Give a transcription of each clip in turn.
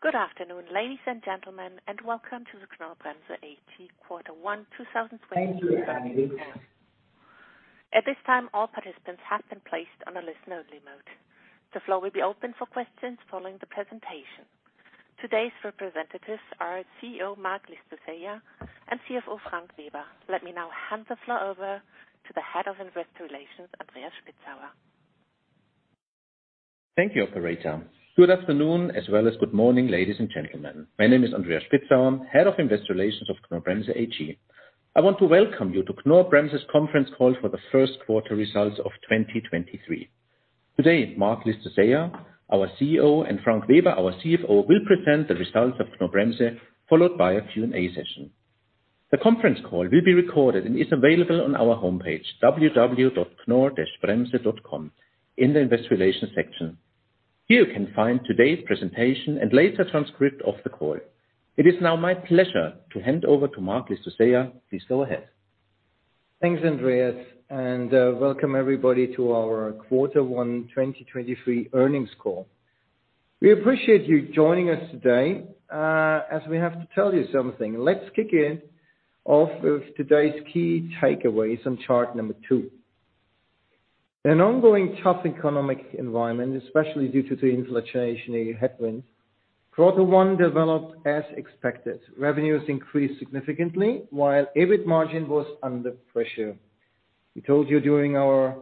Good afternoon, ladies and gentlemen, and welcome to the Knorr-Bremse AG Quarter One 2023- Thank you. At this time, all participants have been placed on a listen only mode. The floor will be open for questions following the presentation. Today's representatives are CEO Marc Llistosella and CFO Frank Weber. Let me now hand the floor over to the Head of Investor Relations, Andreas Spitzauer. Thank you, operator. Good afternoon, as well as good morning, ladies and gentlemen. My name is Andreas Spitzauer, head of Investor Relations of Knorr-Bremse AG. I want to welcome you to Knorr-Bremse's conference call for the first quarter results of 2023. Today, Marc Llistosella, our CEO, and Frank Weber, our CFO, will present the results of Knorr-Bremse, followed by a Q&A session. The conference call will be recorded and is available on our homepage, www.knorr-bremse.com, in the Investor Relations section. Here you can find today's presentation and later transcript of the call. It is now my pleasure to hand over to Marc Llistosella. Please go ahead. Thanks, Andreas, welcome everybody to our Quarter One, 2023 Earnings Call. We appreciate you joining us today, as we have to tell you something. Let's kick in off of today's key takeaways on chart two. An ongoing tough economic environment, especially due to the inflationary headwinds, quarter one developed as expected. Revenues increased significantly, while EBIT margin was under pressure. We told you during our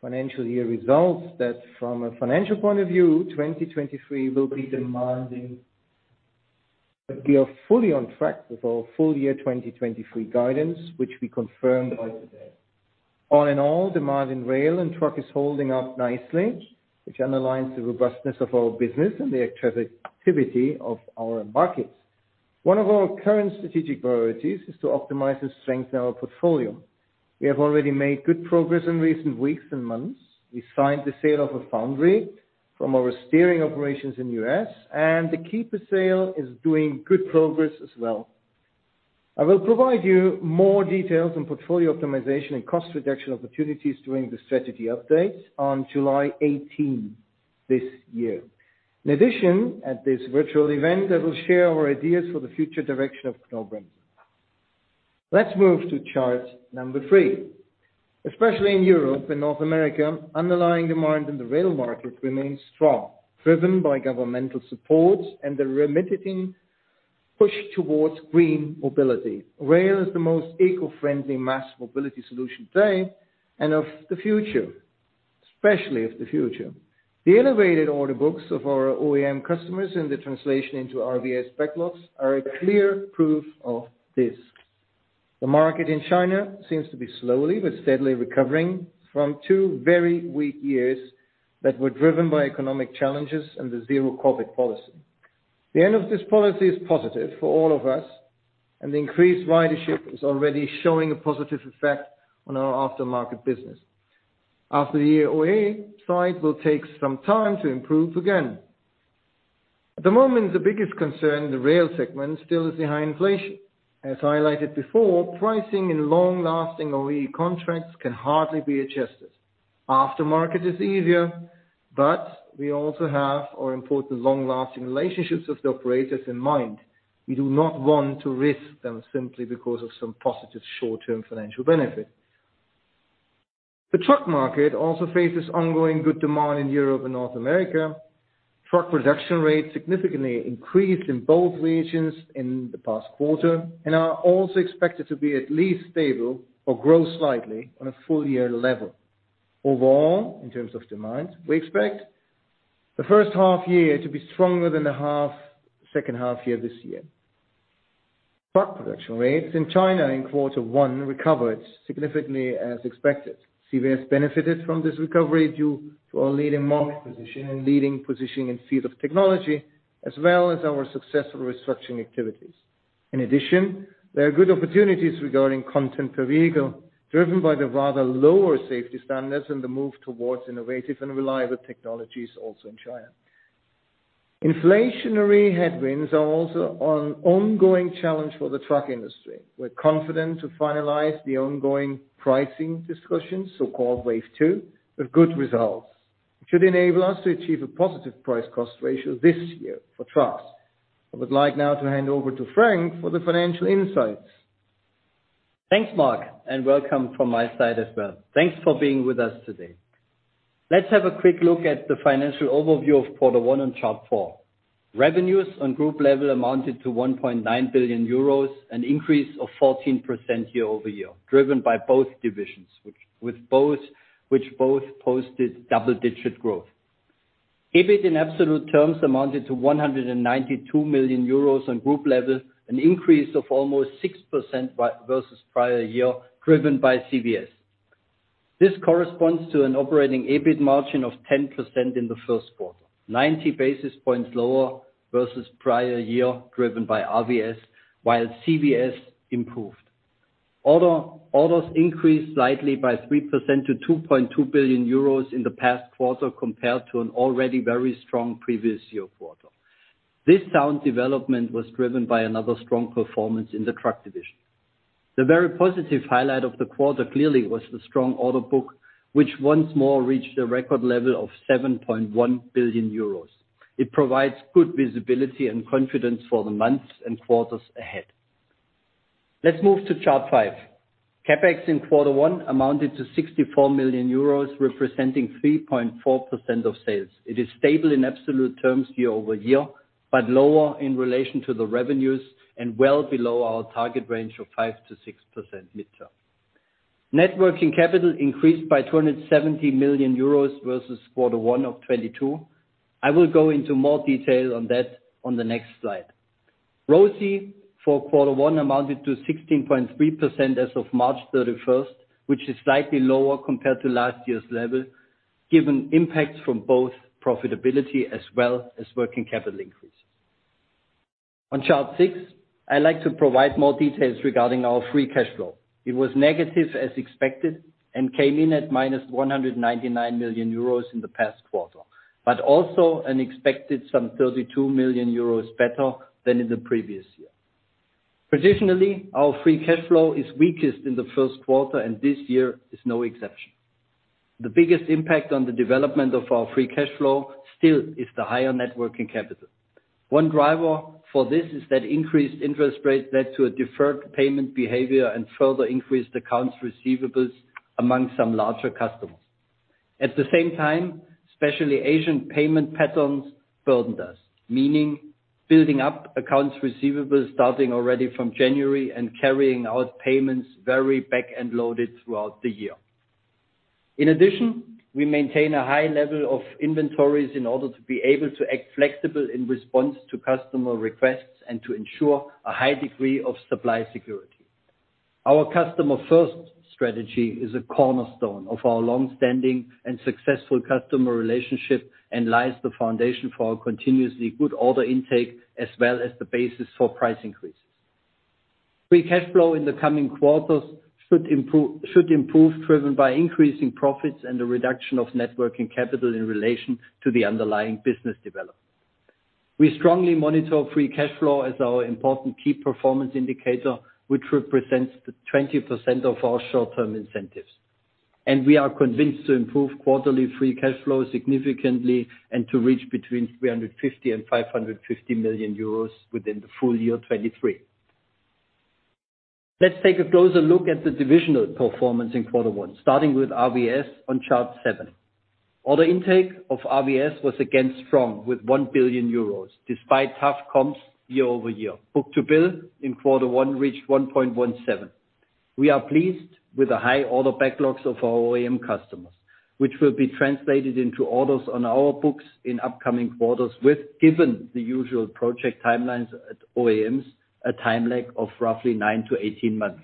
financial year results that from a financial point of view, 2023 will be demanding. We are fully on track with our full year 2023 guidance, which we confirmed by today. All in all, demand in rail and truck is holding up nicely, which underlines the robustness of our business and the activity of our markets. One of our current strategic priorities is to optimize and strengthen our portfolio. We have already made good progress in recent weeks and months. We signed the sale of a foundry from our steering operations in U.S., and the Kiefel sale is doing good progress as well. I will provide you more details on portfolio optimization and cost reduction opportunities during the strategy update on July 18th this year. In addition, at this virtual event, I will share our ideas for the future direction of Knorr-Bremse. Let's move to chart number three. Especially in Europe and North America, underlying demand in the rail market remains strong, driven by governmental support and the remitting push towards green mobility. Rail is the most eco-friendly mass mobility solution today and of the future, especially of the future. The innovative order books of our OEM customers in the translation into RVS backlogs are a clear proof of this. The market in China seems to be slowly but steadily recovering from two very weak years that were driven by economic challenges and the zero-COVID policy. The end of this policy is positive for all of us. The increased ridership is already showing a positive effect on our aftermarket business. After the year OE, trade will take some time to improve again. At the moment, the biggest concern in the rail segment still is the high inflation. As highlighted before, pricing in long-lasting OE contracts can hardly be adjusted. Aftermarket is easier. We also have our important long-lasting relationships with the operators in mind. We do not want to risk them simply because of some positive short-term financial benefit. The truck market also faces ongoing good demand in Europe and North America. Truck production rates significantly increased in both regions in the past quarter and are also expected to be at least stable or grow slightly on a full year level. Overall, in terms of demand, we expect the first half year to be stronger than the half, second half year this year. Truck production rates in China in Quarter One recovered significantly as expected. CVS benefited from this recovery due to our leading market position and leading positioning in field of technology, as well as our successful restructuring activities. In addition, there are good opportunities regarding content per vehicle, driven by the rather lower safety standards and the move towards innovative and reliable technologies also in China. Inflationary headwinds are also an ongoing challenge for the truck industry. We're confident to finalize the ongoing pricing discussions, so-called Wave 2, with good results. It should enable us to achieve a positive price cost ratio this year for trucks. I would like now to hand over to Frank for the financial insights. Thanks, Mark, welcome from my side as well. Thanks for being with us today. Let's have a quick look at the financial overview of quarter one on chart four. Revenues on group level amounted to 1.9 billion euros, an increase of 14% year-over-year, driven by both divisions, which both posted double-digit growth. EBIT in absolute terms amounted to 192 million euros on group level, an increase of almost 6% versus prior year, driven by CVS. This corresponds to an operating EBIT margin of 10% in the first quarter, 90 basis points lower versus prior year, driven by RVS, while CVS improved. Orders increased slightly by 3% to 2.2 billion euros in the past quarter compared to an already very strong previous year quarter. This sound development was driven by another strong performance in the truck division. The very positive highlight of the quarter clearly was the strong order book, which once more reached a record level of 7.1 billion euros. It provides good visibility and confidence for the months and quarters ahead. Let's move to chart five. CapEx in Q1 amounted to 64 million euros, representing 3.4% of sales. It is stable in absolute terms year-over-year, but lower in relation to the revenues and well below our target range of 5%-6% midterm. Net working capital increased by 270 million euros versus Q1 2022. I will go into more detail on that on the next slide. ROCE for quarter one amounted to 16.3% as of March 31st, which is slightly lower compared to last year's level, given impacts from both profitability as well as working capital increase. On chart six, I like to provide more details regarding our free cash flow. It was negative as expected, and came in at -199 million euros in the past quarter. Also an expected 32 million euros better than in the previous year. Positionally, our free cash flow is weakest in the first quarter, and this year is no exception. The biggest impact on the development of our free cash flow still is the higher net working capital. One driver for this is that increased interest rates led to a deferred payment behavior and further increased accounts receivables among some larger customers. At the same time, especially Asian payment patterns burdened us, meaning building up accounts receivables starting already from January and carrying out payments very back and loaded throughout the year. In addition, we maintain a high level of inventories in order to be able to act flexible in response to customer requests and to ensure a high degree of supply security. Our customer first strategy is a cornerstone of our long-standing and successful customer relationship, and lays the foundation for our continuously good order intake, as well as the basis for price increases. Free cash flow in the coming quarters should improve driven by increasing profits and the reduction of net working capital in relation to the underlying business development. We strongly monitor free cash flow as our important key performance indicator, which represents the 20% of our short-term incentives. We are convinced to improve quarterly free cash flow significantly and to reach between 350 million and 550 million euros within the full year 2023. Let's take a closer look at the divisional performance in quarter one, starting with RVS on chart seven. Order intake of RVS was again strong with 1 billion euros, despite tough comps year-over-year. Book-to-bill in quarter one reached 1.17. We are pleased with the high order backlogs of our OEM customers, which will be translated into orders on our books in upcoming quarters with, given the usual project timelines at OEMs, a time lag of roughly nine-18 months.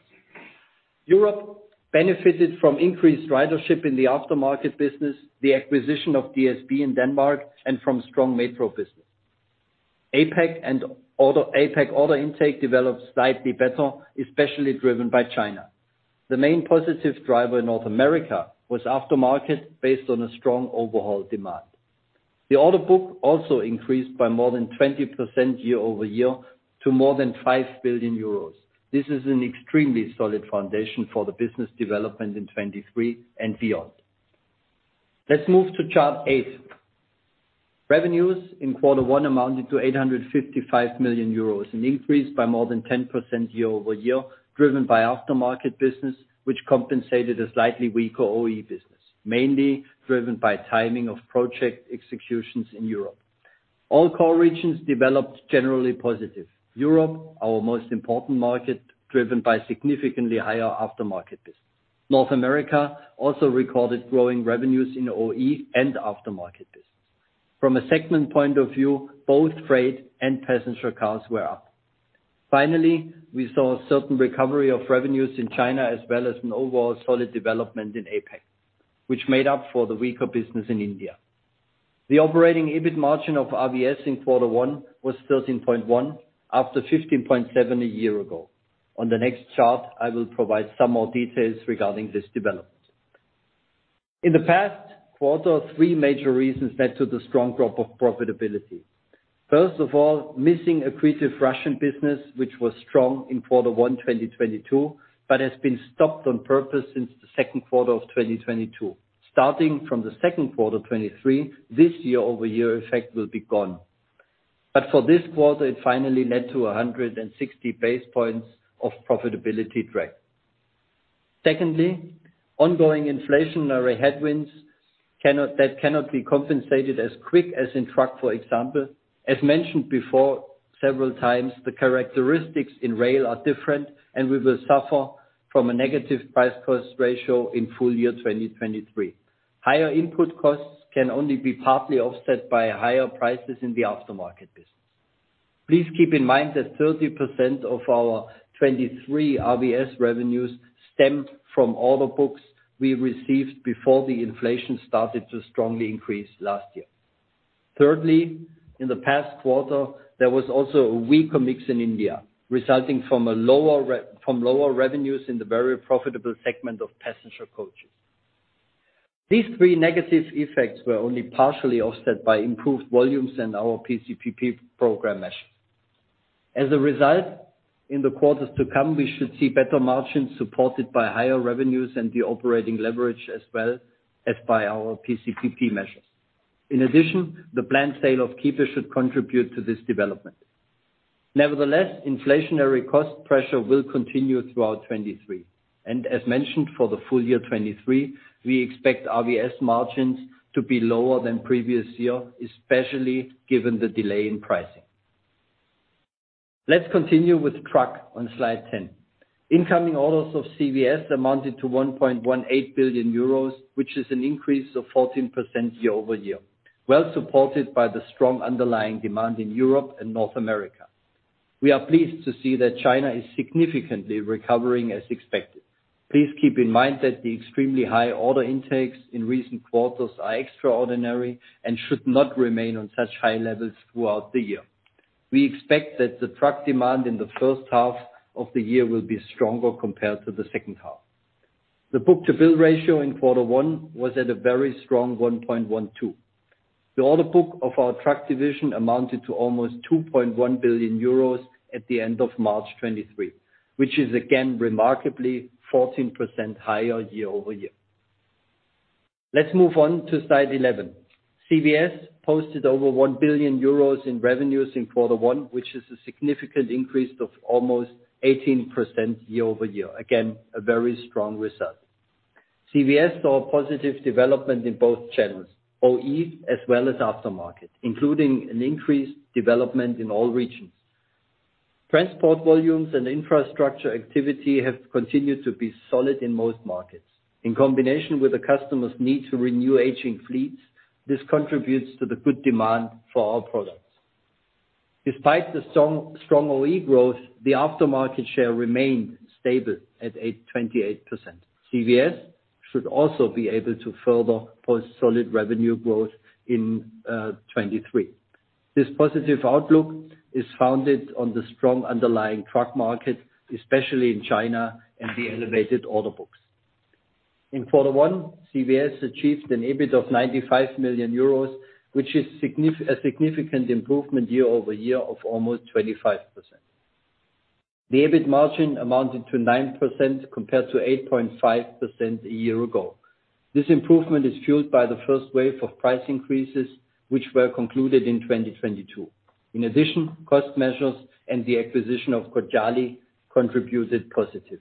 Europe benefited from increased ridership in the aftermarket business, the acquisition of DSB in Denmark, and from strong metro business. APAC order intake developed slightly better, especially driven by China. The main positive driver in North America was aftermarket, based on a strong overhaul demand. The order book increased by more than 20% year-over-year to more than 5 billion euros. This is an extremely solid foundation for the business development in 2023 and beyond. Let's move to chart eight. Revenues in Q1 amounted to 855 million euros, an increase by more than 10% year-over-year, driven by aftermarket business, which compensated a slightly weaker OE business, mainly driven by timing of project executions in Europe. All core regions developed generally positive. Europe, our most important market, driven by significantly higher aftermarket business. North America also recorded growing revenues in OE and aftermarket business. From a segment point of view, both freight and passenger cars were up. We saw a certain recovery of revenues in China, as well as an overall solid development in APAC, which made up for the weaker business in India. The operating EBIT margin of RVS in quarter one was 13.1, after 15.7 a year ago. On the next chart, I will provide some more details regarding this development. In the past quarter, one major reasons led to the strong drop of profitability. First of all, missing accretive Russian business, which was strong in quarter one, 2022, but has been stopped on purpose since the second quarter of 2022. Starting from the second quarter, 2023, this year-over-year effect will be gone. For this quarter, it finally led to 160 basis points of profitability drag. Secondly, ongoing inflationary headwinds cannot, that cannot be compensated as quick as in truck, for example. As mentioned before several times, the characteristics in rail are different, and we will suffer from a negative price cost ratio in full year 2023. Higher input costs can only be partly offset by higher prices in the aftermarket business. Please keep in mind that 30% of our 2023 RVS revenues stemmed from order books we received before the inflation started to strongly increase last year. Thirdly, in the past quarter, there was also a weaker mix in India, resulting from lower revenues in the very profitable segment of passenger coaches. These three negative effects were only partially offset by improved volumes in our PCPP program measure. As a result, in the quarters to come, we should see better margins supported by higher revenues and the operating leverage as well as by our PCPP measures. In addition, the planned sale of Kiefel should contribute to this development. Nevertheless, inflationary cost pressure will continue throughout 2023, and as mentioned for the full year 2023, we expect RVS margins to be lower than previous year, especially given the delay in pricing. Let's continue with truck on slide 10. Incoming orders of CVS amounted to 1.18 billion euros, which is an increase of 14% year-over-year, well supported by the strong underlying demand in Europe and North America. We are pleased to see that China is significantly recovering as expected. Please keep in mind that the extremely high order intakes in recent quarters are extraordinary and should not remain on such high levels throughout the year. We expect that the truck demand in the first half of the year will be stronger compared to the second half. The book-to-bill ratio in quarter one was at a very strong 1.12. The order book of our truck division amounted to almost 2.1 billion euros at the end of March 2023, which is again remarkably 14% higher year-over-year. Let's move on to slide 11. CVS posted over 1 billion euros in revenues in quarter one, which is a significant increase of almost 18% year-over-year. Again, a very strong result. CVS saw a positive development in both channels, OE as well as aftermarket, including an increased development in all regions. Transport volumes and infrastructure activity have continued to be solid in most markets. In combination with the customer's need to renew aging fleets, this contributes to the good demand for our products. Despite the strong OE growth, the aftermarket share remained stable at 8.8%. CVS should also be able to further post solid revenue growth in 2023. This positive outlook is founded on the strong underlying truck market, especially in China and the elevated order books. In Q1, CVS achieved an EBIT of 95 million euros, which is a significant improvement year-over-year of almost 25%. The EBIT margin amounted to 9% compared to 8.5% a year ago. This improvement is fueled by the first wave of price increases, which were concluded in 2022. In addition, cost measures and the acquisition of Cojali contributed positively.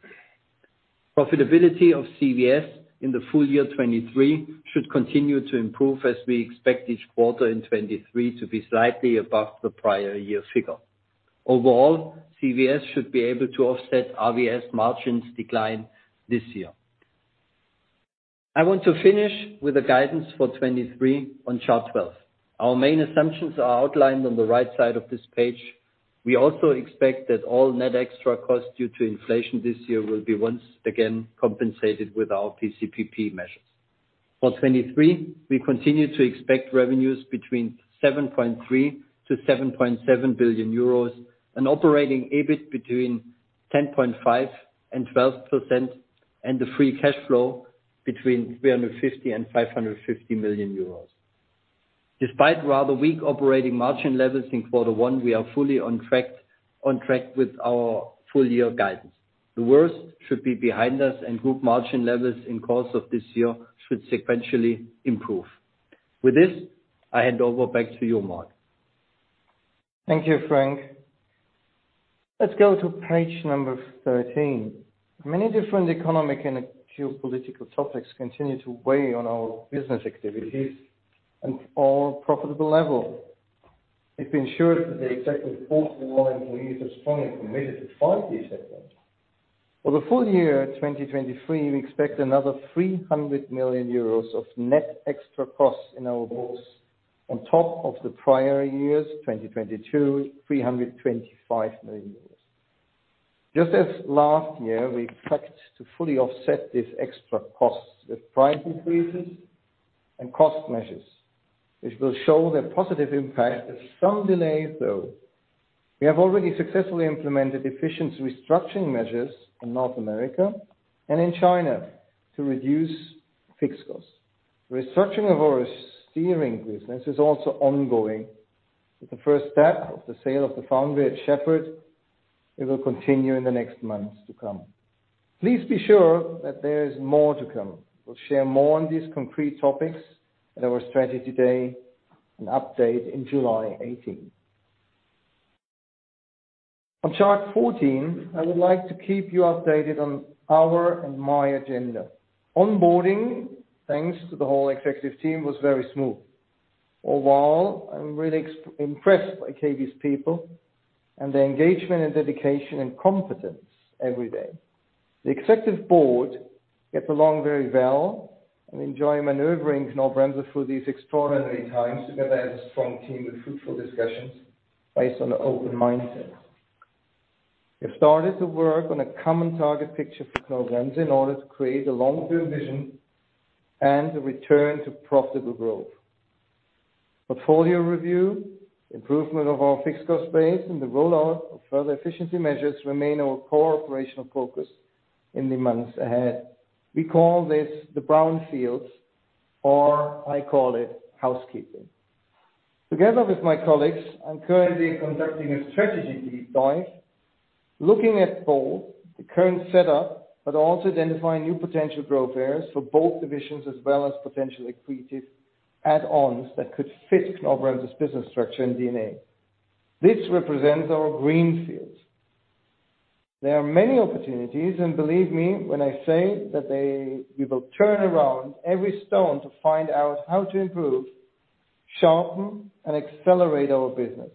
Profitability of CVS in the full year 2023 should continue to improve as we expect each quarter in 2023 to be slightly above the prior year figure. Overall, CVS should be able to offset RVS margins decline this year. I want to finish with a guidance for 2023 on chart 12. Our main assumptions are outlined on the right side of this page. We also expect that all net extra costs due to inflation this year will be, once again, compensated with our PCPP measures. For 2023, we continue to expect revenues between 7.3 billion-7.7 billion euros, an operating EBIT between 10.5% and 12%, and the free cash flow between 350 million and 550 million euros. Despite rather weak operating margin levels in quarter one, we are fully on track with our full-year guidance. The worst should be behind us. Group margin levels in course of this year should sequentially improve. With this, I hand over back to you, Marc. Thank you, Frank. Let's go to page number 13. Many different economic and geopolitical topics continue to weigh on our business activities and our profitable level. It ensures that the executive board and line employees are strongly committed to fight these effects. For the full year 2023, we expect another 300 million euros of net extra costs in our books on top of the prior years' 2022 325 million euros. Just as last year, we expect to fully offset these extra costs with price increases and cost measures, which will show their positive impact at some delay though. We have already successfully implemented efficient restructuring measures in North America and in China to reduce fixed costs. Restructuring of our steering business is also ongoing with the first step of the sale of the foundry at Shepherd. It will continue in the next months to come. Please be sure that there is more to come. We'll share more on these concrete topics at our strategy day and update in July 18th. On chart 14, I would like to keep you updated on our and my agenda. Onboarding, thanks to the whole executive team, was very smooth. Overall, I'm really impressed by KAB's people and their engagement and dedication and competence every day. The executive board get along very well and enjoy maneuvering Knorr-Bremse through these extraordinary times. Together as a strong team with fruitful discussions based on an open mindset. We have started to work on a common target picture for Knorr-Bremse in order to create a long-term vision and a return to profitable growth. Portfolio review, improvement of our fixed cost base and the rollout of further efficiency measures remain our core operational focus in the months ahead. We call this the brown fields, or I call it housekeeping. Together with my colleagues, I'm currently conducting a strategy deep dive, looking at both the current setup, but also identifying new potential growth areas for both divisions, as well as potential accretive add-ons that could fit Knorr-Bremse business structure and DNA. This represents our green fields. There are many opportunities. Believe me when I say that we will turn around every stone to find out how to improve, sharpen, and accelerate our business.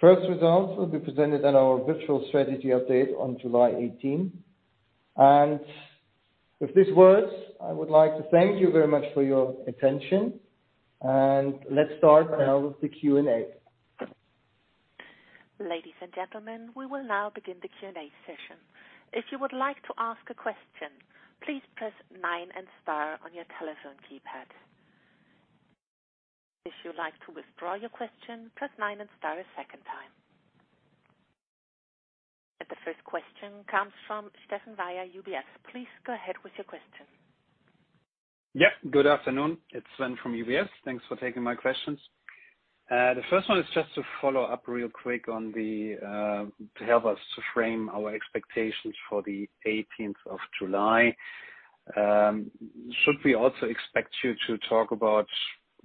First results will be presented at our virtual strategy update on July 18. With these words, I would like to thank you very much for your attention. Let's start now with the Q&A. Ladies and gentlemen, we will now begin the Q&A session. If you would like to ask a question, please press nine and star on your telephone keypad. If you would like to withdraw your question, press nine and star a second time. The first question comes from Sven Weier, UBS. Please go ahead with your question. Yeah, good afternoon. It's Sven from UBS. Thanks for taking my questions. The first one is just to follow up real quick on the to help us to frame our expectations for the 18th of July. Should we also expect you to talk about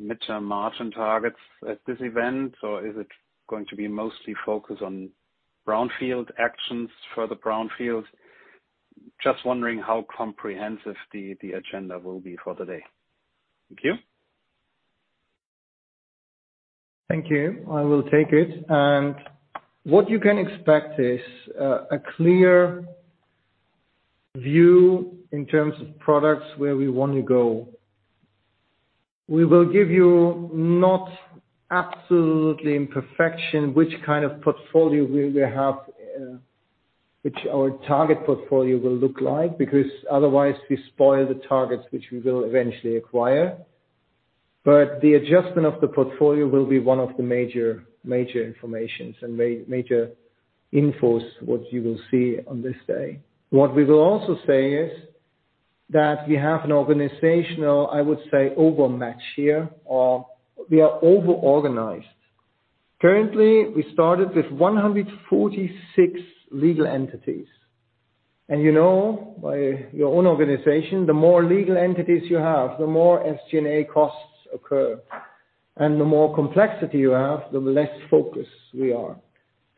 midterm margin targets at this event? Or is it going to be mostly focused on brown field actions for the brown fields? Just wondering how comprehensive the agenda will be for the day. Thank you. Thank you. I will take it. What you can expect is a clear view in terms of products where we wanna go. We will give you not absolutely in perfection, which kind of portfolio we will have, which our target portfolio will look like, because otherwise we spoil the targets which we will eventually acquire. The adjustment of the portfolio will be one of the major informations and major infos, what you will see on this day. What we will also say is that we have an organizational, I would say, overmatch here, or we are over-organized. Currently, we started with 146 legal entities. You know by your own organization, the more legal entities you have, the more SG&A costs occur. The more complexity you have, the less focused we are.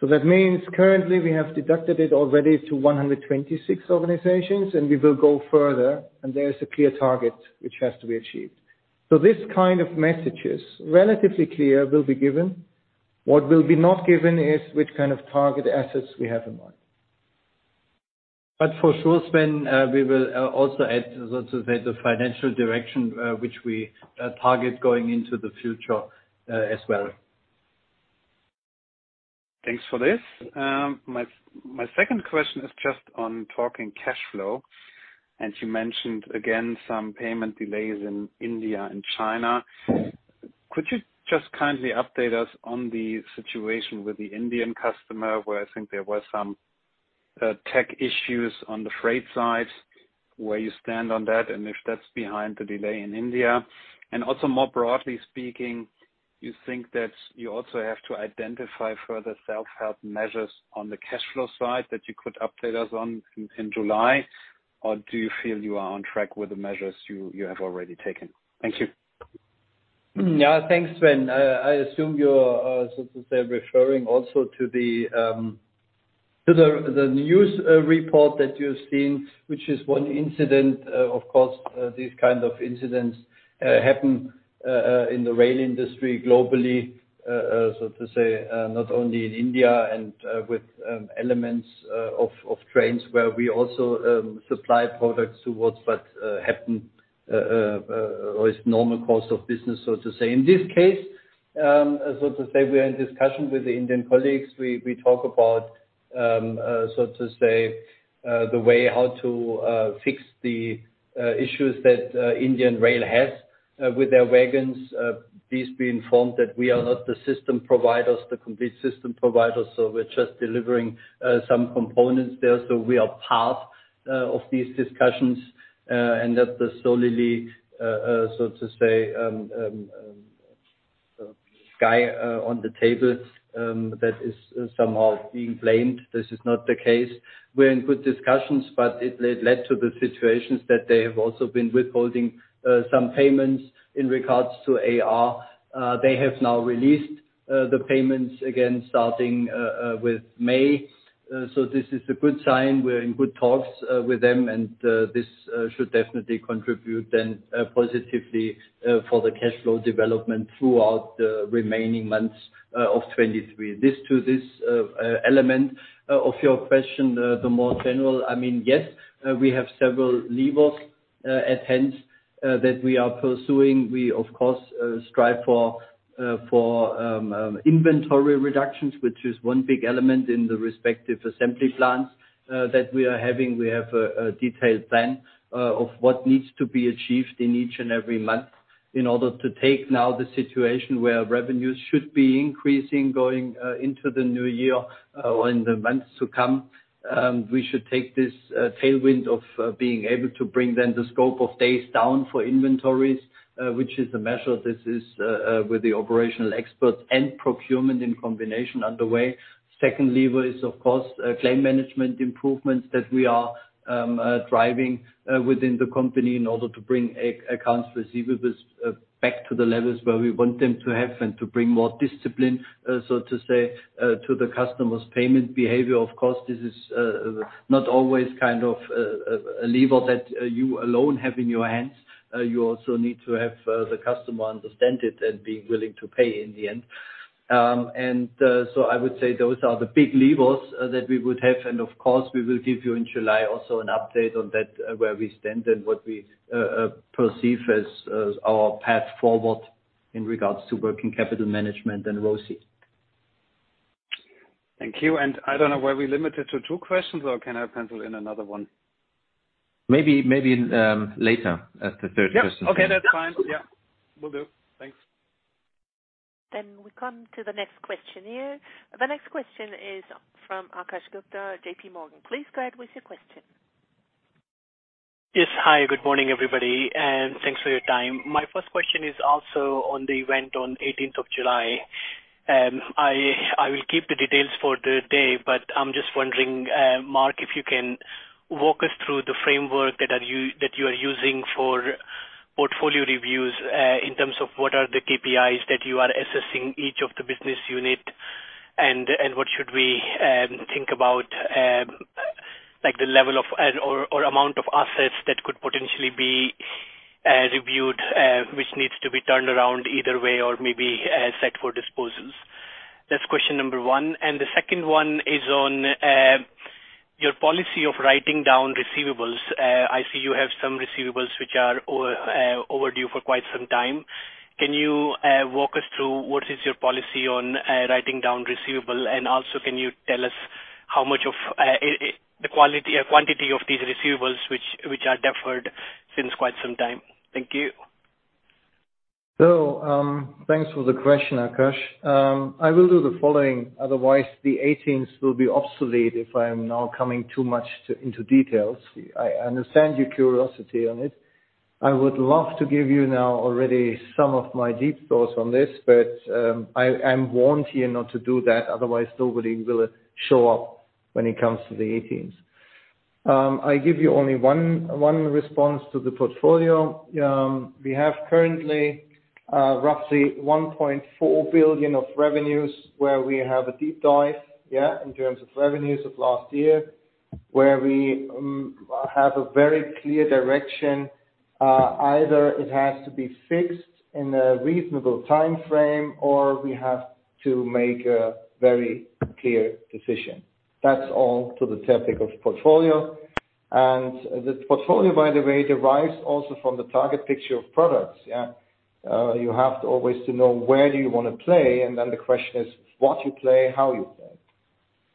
That means currently we have deducted it already to 126 organizations, and we will go further, and there is a clear target which has to be achieved. This kind of messages, relatively clear, will be given. What will be not given is which kind of target assets we have in mind. For sure, Sven, we will also add, so to say, the financial direction, which we target going into the future, as well. Thanks for this. My second question is just on talking cash flow. You mentioned, again, some payment delays in India and China. Could you just kindly update us on the situation with the Indian customer, where I think there was some tech issues on the freight side, where you stand on that, and if that's behind the delay in India? Also more broadly speaking, you think that you also have to identify further self-help measures on the cash flow side that you could update us on in July? Or do you feel you are on track with the measures you have already taken? Thank you. Yeah, thanks, Sven. I assume you're so to say, referring also to the, to the news report that you've seen, which is one incident. Of course, these kind of incidents happen in the rail industry globally, so to say, not only in India and with elements of trains where we also supply products towards what happened or is normal course of business, so to say. In this case, so to say, we are in discussion with the Indian colleagues. We talk about so to say, the way how to fix the issues that Indian Railways has with their wagons. Please be informed that we are not the system providers, the complete system providers, we're just delivering some components there. We are part of these discussions, and that the solely, so to say, guy on the table that is somehow being blamed. This is not the case. We're in good discussions, but it led to the situations that they have also been withholding some payments in regards to AR. They have now released the payments again starting with May. This is a good sign. We're in good talks with them and this should definitely contribute then positively for the cash flow development throughout the remaining months of 2023. This, to this element of your question, the more general, I mean, yes, we have several levers at hand that we are pursuing. We, of course, strive for inventory reductions, which is one big element in the respective assembly plans that we are having. We have a detailed plan of what needs to be achieved in each and every month. In order to take now the situation where revenues should be increasing going into the new year or in the months to come, we should take this tailwind of being able to bring then the scope of days down for inventories, which is a measure. This is with the operational experts and procurement in combination underway. Second lever is, of course, claim management improvements that we are driving within the company in order to bring accounts receivables back to the levels where we want them to have and to bring more discipline, so to say, to the customer's payment behavior. Of course, this is not always kind of a lever that you alone have in your hands. You also need to have the customer understand it and be willing to pay in the end. I would say those are the big levers that we would have. Of course, we will give you in July also an update on that, where we stand and what we perceive as our path forward in regards to working capital management and ROCE. Thank you. I don't know, were we limited to two questions, or can I pencil in another one? Maybe, later as the third question. Yep. Okay, that's fine. Yeah. Will do. Thanks. We come to the next question here. The next question is from Akash Gupta, JPMorgan. Please go ahead with your question. Yes. Hi, good morning, everybody, and thanks for your time. My first question is also on the event on 18th of July. I will keep the details for the day, but I'm just wondering, Marc, if you can walk us through the framework that you are using for portfolio reviews, in terms of what are the KPIs that you are assessing each of the business unit and what should we think about like, the level of or amount of assets that could potentially be reviewed, which needs to be turned around either way or maybe set for disposals? That's question number one. The second one is on your policy of writing down receivables. I see you have some receivables which are overdue for quite some time. Can you walk us through what is your policy on writing down receivable? Can you tell us how much of the quality or quantity of these receivables which are deferred since quite some time? Thank you. Thanks for the question, Akash. I will do the following, otherwise the 18th will be obsolete if I am now coming too much into details. I understand your curiosity on it. I would love to give you now already some of my deep thoughts on this, but I'm warned here not to do that otherwise nobody will show up when it comes to the 18th. I give you only one response to the portfolio. We have currently roughly 1.4 billion of revenues where we have a deep dive, yeah, in terms of revenues of last year, where we have a very clear direction. Either it has to be fixed in a reasonable timeframe, or we have to make a very clear decision. That's all to the topic of portfolio. The portfolio, by the way, derives also from the target picture of products. You have to always to know where do you wanna play, and then the question is what you play, how you play.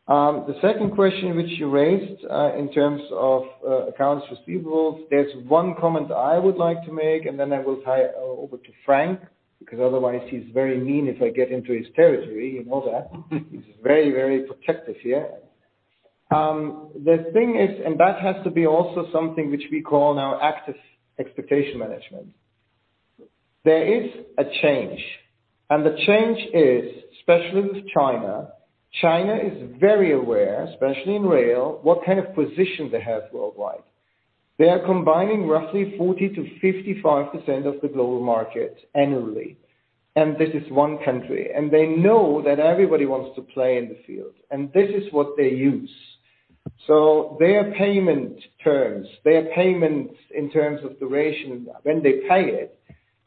The second question which you raised, in terms of accounts receivables, there's one comment I would like to make, and then I will hand over to Frank, because otherwise he's very mean if I get into his territory. You know that. He's very, very protective here. The thing is, and that has to be also something which we call now active expectation management. There is a change, the change is especially with China. China is very aware, especially in rail, what kind of position they have worldwide. They are combining roughly 40%-55% of the global market annually, this is one country. They know that everybody wants to play in the field, and this is what they use. Their payment terms, their payments in terms of duration, when they pay it,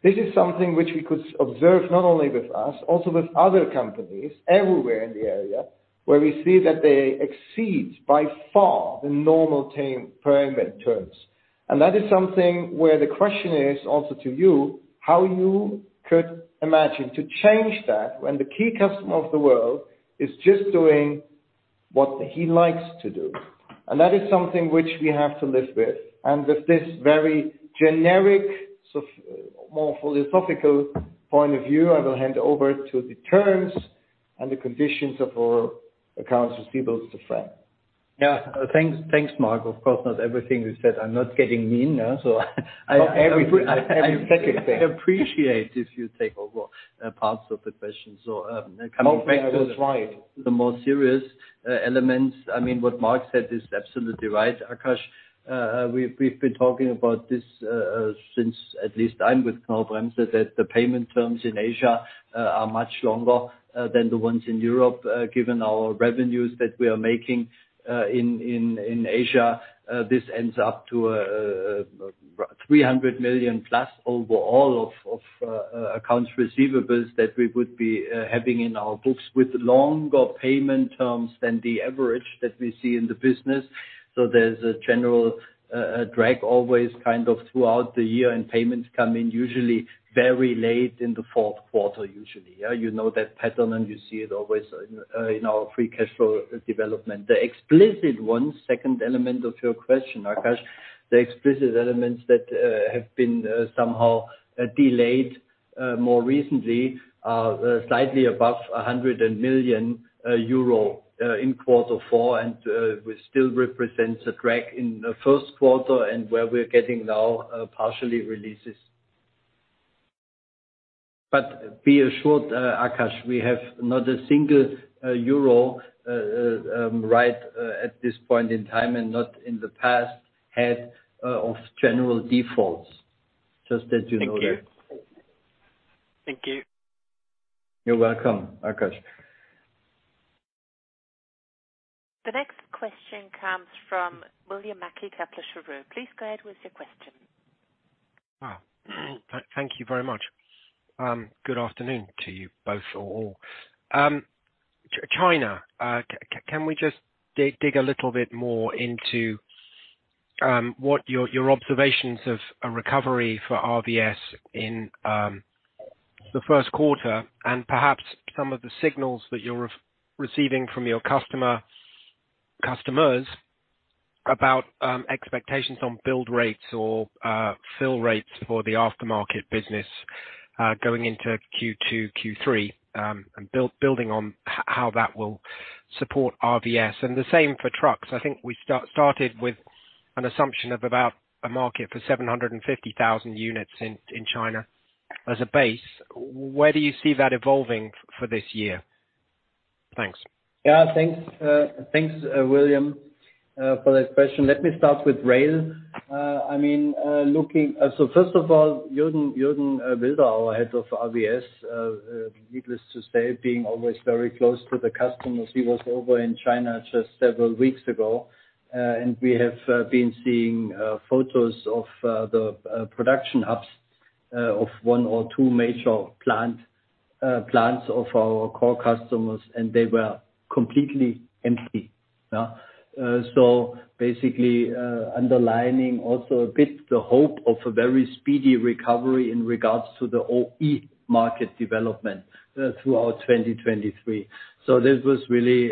this is something which we could observe not only with us, also with other companies everywhere in the area, where we see that they exceed by far the normal payment terms. That is something where the question is also to you, how you could imagine to change that when the key customer of the world is just doing what he likes to do. That is something which we have to live with. With this very generic, more philosophical point of view, I will hand over to the terms and the conditions of our accounts receivables to Frank. Yeah. Thanks, thanks, Marc. Of course, not everything is said. I'm not getting mean. Every second thing. I appreciate if you take over, parts of the question. Hopefully, I will try. The more serious elements. I mean, what Marc said is absolutely right, Akash. We've been talking about this since at least I'm with Knorr-Bremse, that the payment terms in Asia are much longer than the ones in Europe. Given our revenues that we are making in Asia, this ends up to 300 million+ overall of accounts receivables that we would be having in our books with longer payment terms than the average that we see in the business. There's a general drag always kind of throughout the year, and payments come in usually very late in the fourth quarter, usually. Yeah, you know that pattern, and you see it always in our free cash flow development. The explicit one, second element of your question, Akash. The explicit elements that have been somehow delayed more recently are slightly above 100 million euro in quarter four and which still represents a drag in the first quarter and where we're getting now partially releases. Be assured, Akash, we have not a single EUR right at this point in time and not in the past had of general defaults, just that you know that. Thank you. You're welcome, Akash. The next question comes from William Mackie, Capital Group. Please go ahead with your question. Thank you very much. Good afternoon to you both or all. China, can we just dig a little bit more into what your observations of a recovery for RVS in the 1st quarter and perhaps some of the signals that you're receiving from your customers about expectations on build rates or fill rates for the aftermarket business going into Q2, Q3, and building on how that will support RVS? The same for trucks. I think we started with an assumption of about a market for 750,000 units in China as a base. Where do you see that evolving for this year? Thanks. Yeah, thanks, William, for that question. Let me start with rail. I mean, First of all, Jürgen Wilder, our Head of RVS, needless to say, being always very close to the customers, he was over in China just several weeks ago, and we have been seeing photos of the production hubs of one or two major plants of our core customers, and they were completely empty. Basically, underlining also a bit the hope of a very speedy recovery in regards to the OE market development throughout 2023. This was really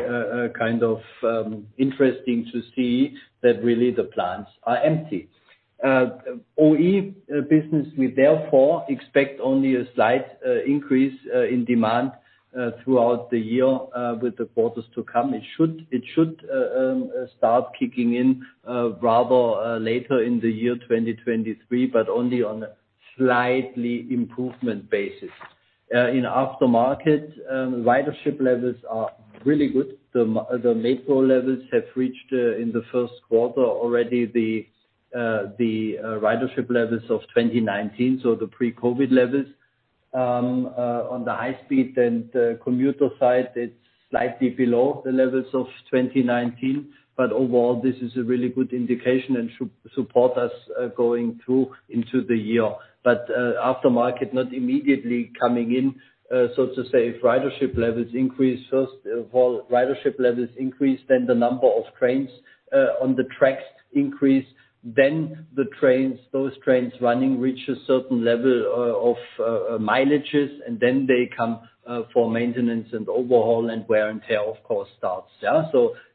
kind of interesting to see that really the plants are empty. OE business, we therefore expect only a slight increase in demand throughout the year with the quarters to come. It should start kicking in rather later in the year 2023, but only on a slightly improvement basis. In aftermarket, ridership levels are really good. The metro levels have reached in the first quarter already the ridership levels of 2019, so the pre-COVID levels. On the high speed and commuter side, it's slightly below the levels of 2019. Overall, this is a really good indication and support us going through into the year. Aftermarket not immediately coming in, so to say, if ridership levels increase first of all, ridership levels increase, then the number of trains on the tracks increase, then the trains, those trains running reach a certain level of mileages, and then they come for maintenance and overhaul and wear and tear, of course, starts. Yeah.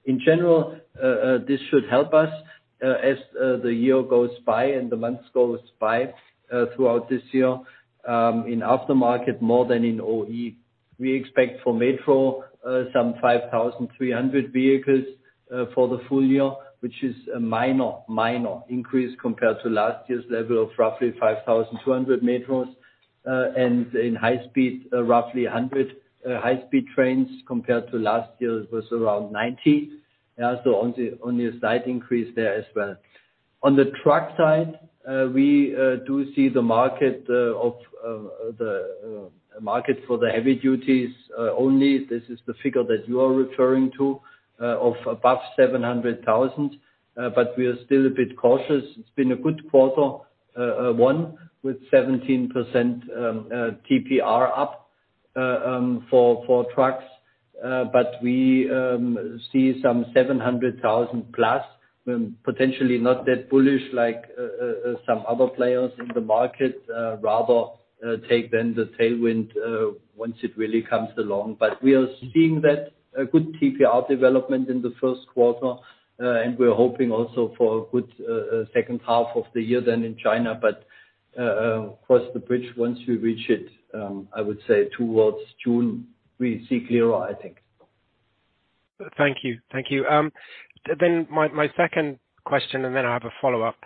In general, this should help us as the year goes by and the months goes by throughout this year in aftermarket more than in OE. We expect for metro 5,300 vehicles for the full year, which is a minor increase compared to last year's level of roughly 5,200 metros. In high speed, roughly 100 high-speed trains compared to last year's was around 90. Yeah. Only a slight increase there as well. On the truck side, we do see the market of the market for the heavy duties only. This is the figure that you are referring to of above 700,000. We are still a bit cautious. It's been a good quarter, one with 17% TPR up for trucks. We see some 700,000+ potentially not that bullish like some other players in the market, rather take then the tailwind once it really comes along. We are seeing that a good TPR development in the first quarter, and we're hoping also for a good second half of the year than in China. Cross the bridge once we reach it, I would say towards June, we see clearer, I think. Thank you. Thank you. Then my second question, and then I have a follow-up,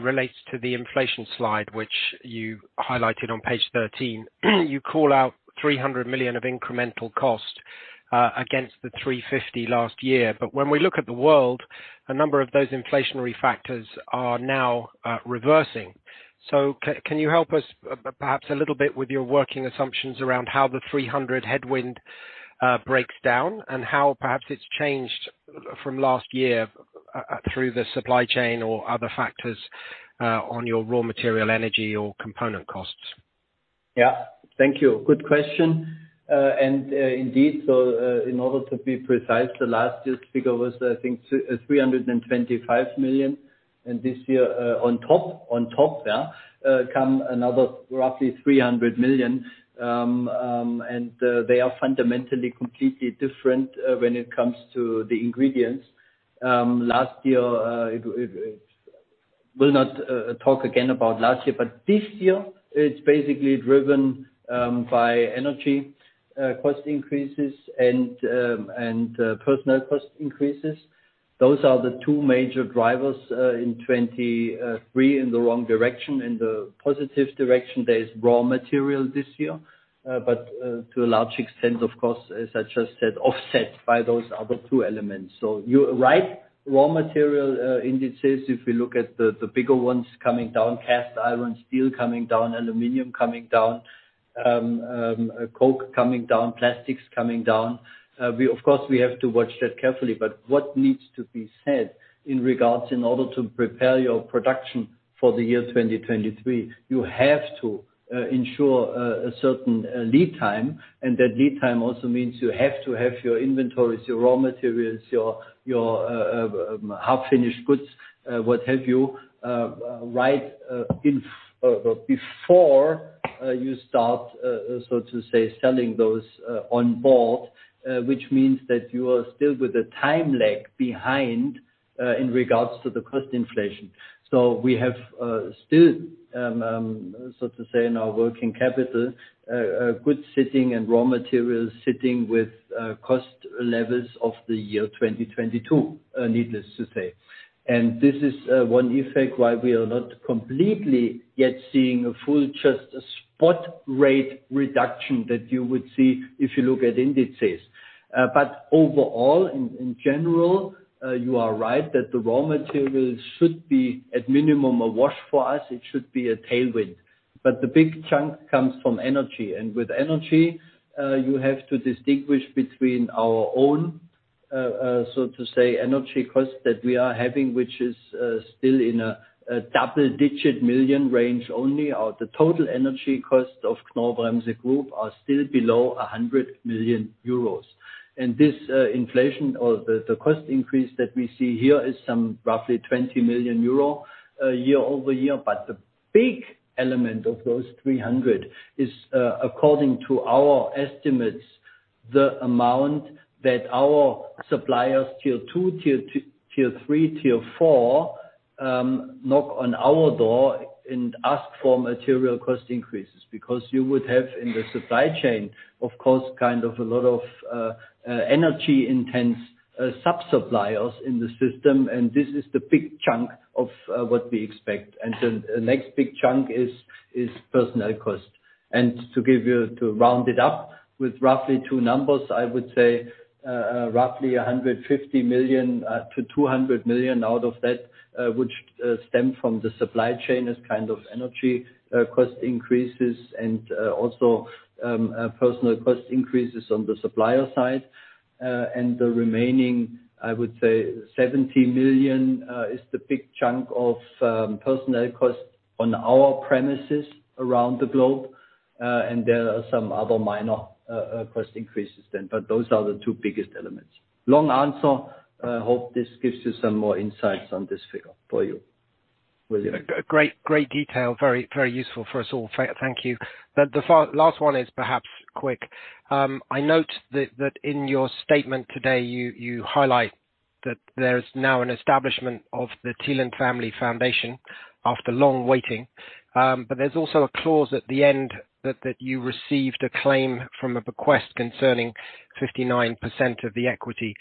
relates to the inflation slide, which you highlighted on page 13. You call out 300 million of incremental cost against the 350 last year. When we look at the world, a number of those inflationary factors are now reversing. Can you help us perhaps a little bit with your working assumptions around how the 300 headwind breaks down and how perhaps it's changed from last year through the supply chain or other factors on your raw material energy or component costs? Yeah. Thank you. Good question. Indeed, so in order to be precise, the last year's figure was, I think, 325 million. This year, on top, on top, yeah, come another roughly 300 million. They are fundamentally completely different, when it comes to the ingredients. Last year, it will not talk again about last year, but this year it's basically driven by energy cost increases and personnel cost increases. Those are the two major drivers in 2023 in the wrong direction. In the positive direction, there is raw material this year, but to a large extent, of course, as I just said, offset by those other two elements. You're right, raw material indices, if you look at the bigger ones coming down, cast iron, steel coming down, aluminum coming down, coke coming down, plastics coming down. We of course, we have to watch that carefully. What needs to be said in regards, in order to prepare your production for the year 2023, you have to ensure a certain lead time, and that lead time also means you have to have your inventories, your raw materials, your half-finished goods, what have you, right in before you start, so to say, selling those on board, which means that you are still with a time lag behind in regards to the cost inflation. We have still so to say in our working capital goods sitting and raw materials sitting with cost levels of the year 2022, needless to say. This is one effect why we are not completely yet seeing a full, just a spot rate reduction that you would see if you look at indices. Overall in general, you are right that the raw materials should be at minimum a wash for us, it should be a tailwind. The big chunk comes from energy, and with energy, you have to distinguish between our own so to say, energy costs that we are having, which is still in a double-digit million range only. The total energy cost of Knorr-Bremse Group are still below 100 million euros. This inflation or the cost increase that we see here is some roughly 20 million euro year-over-year. The big element of those 300 is, according to our estimates, the amount that our suppliers, tier two, tier three, tier four, knock on our door and ask for material cost increases. You would have in the supply chain, of course, kind of a lot of energy-intense sub-suppliers in the system, this is the big chunk of what we expect. The next big chunk is personnel cost. To round it up with roughly two numbers, I would say, roughly 150 million-200 million out of that, which stem from the supply chain as kind of energy cost increases and also personnel cost increases on the supplier side. The remaining, I would say 70 million, is the big chunk of personnel costs on our premises around the globe. There are some other minor cost increases then, but those are the two biggest elements. Long answer. Hope this gives you some more insights on this figure for you, William. A great detail. Very useful for us all. Thank you. The last one is perhaps quick. I note that in your statement today, you highlight that there is now an establishment of Thiele Family Foundation after long waiting. But there's also a clause at the end that you received a claim from a bequest concerning 59% of the equity.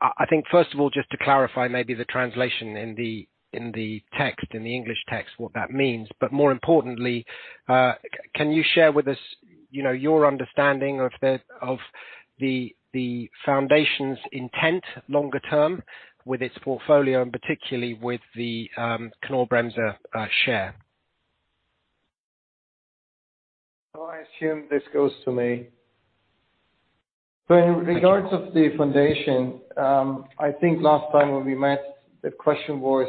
I think first of all, just to clarify, maybe the translation in the text, in the English text, what that means, but more importantly, can you share with us, you know, your understanding of the foundation's intent longer term with its portfolio and particularly with the Knorr-Bremse share? I assume this goes to me. In regards of the foundation, I think last time when we met, the question was: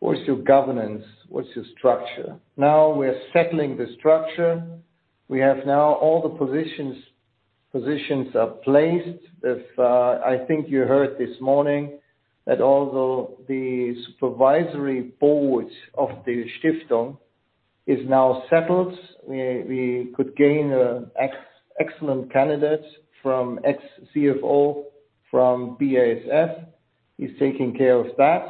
What's your governance? What's your structure? Now we're settling the structure. We have now all the positions. Positions are placed. If, I think you heard this morning that although the supervisory board of the Stiftung is now settled, we could gain excellent candidates from ex-CFO from BASF. He's taking care of that.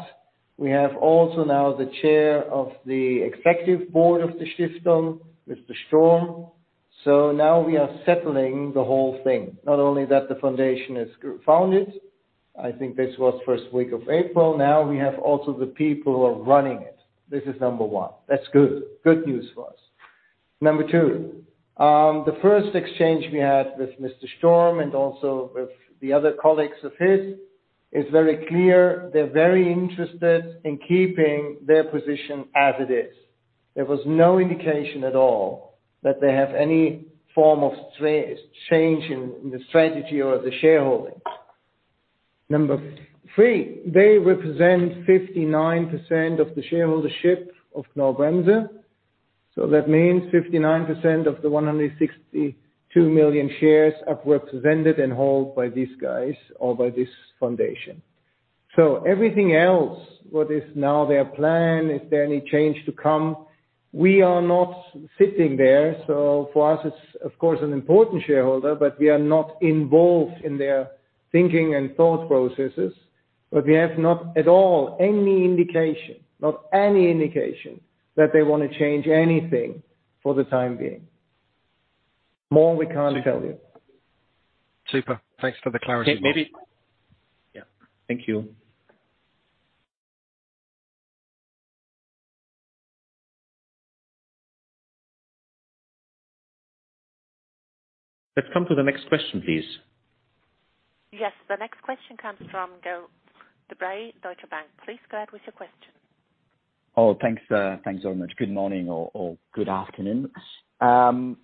We have also now the chair of the executive board of the Stiftung, Mr. Strohm. Now we are settling the whole thing. Not only that the foundation is founded, I think this was first week of April. Now we have also the people who are running it. This is number one. That's good. Good news for us. Number two, the first exchange we had with Mr. Strohm and also with the other colleagues of his is very clear. They're very interested in keeping their position as it is. There was no indication at all that they have any form of change in the strategy or the shareholding. Number three, they represent 59% of the shareholdership of Knorr-Bremse. That means 59% of the 162 million shares are represented and held by these guys or by this foundation. Everything else, what is now their plan, is there any change to come? We are not sitting there. For us, it's of course, an important shareholder, but we are not involved in their thinking and thought processes. We have not at all any indication, not any indication that they wanna change anything for the time being. More we can't tell you. Super. Thanks for the clarity. Maybe. Yeah. Thank you. Let's come to the next question, please. Yes, the next question comes from Gael de-Bray, Deutsche Bank. Please go ahead with your question. Thanks, thanks very much. Good morning or good afternoon. Can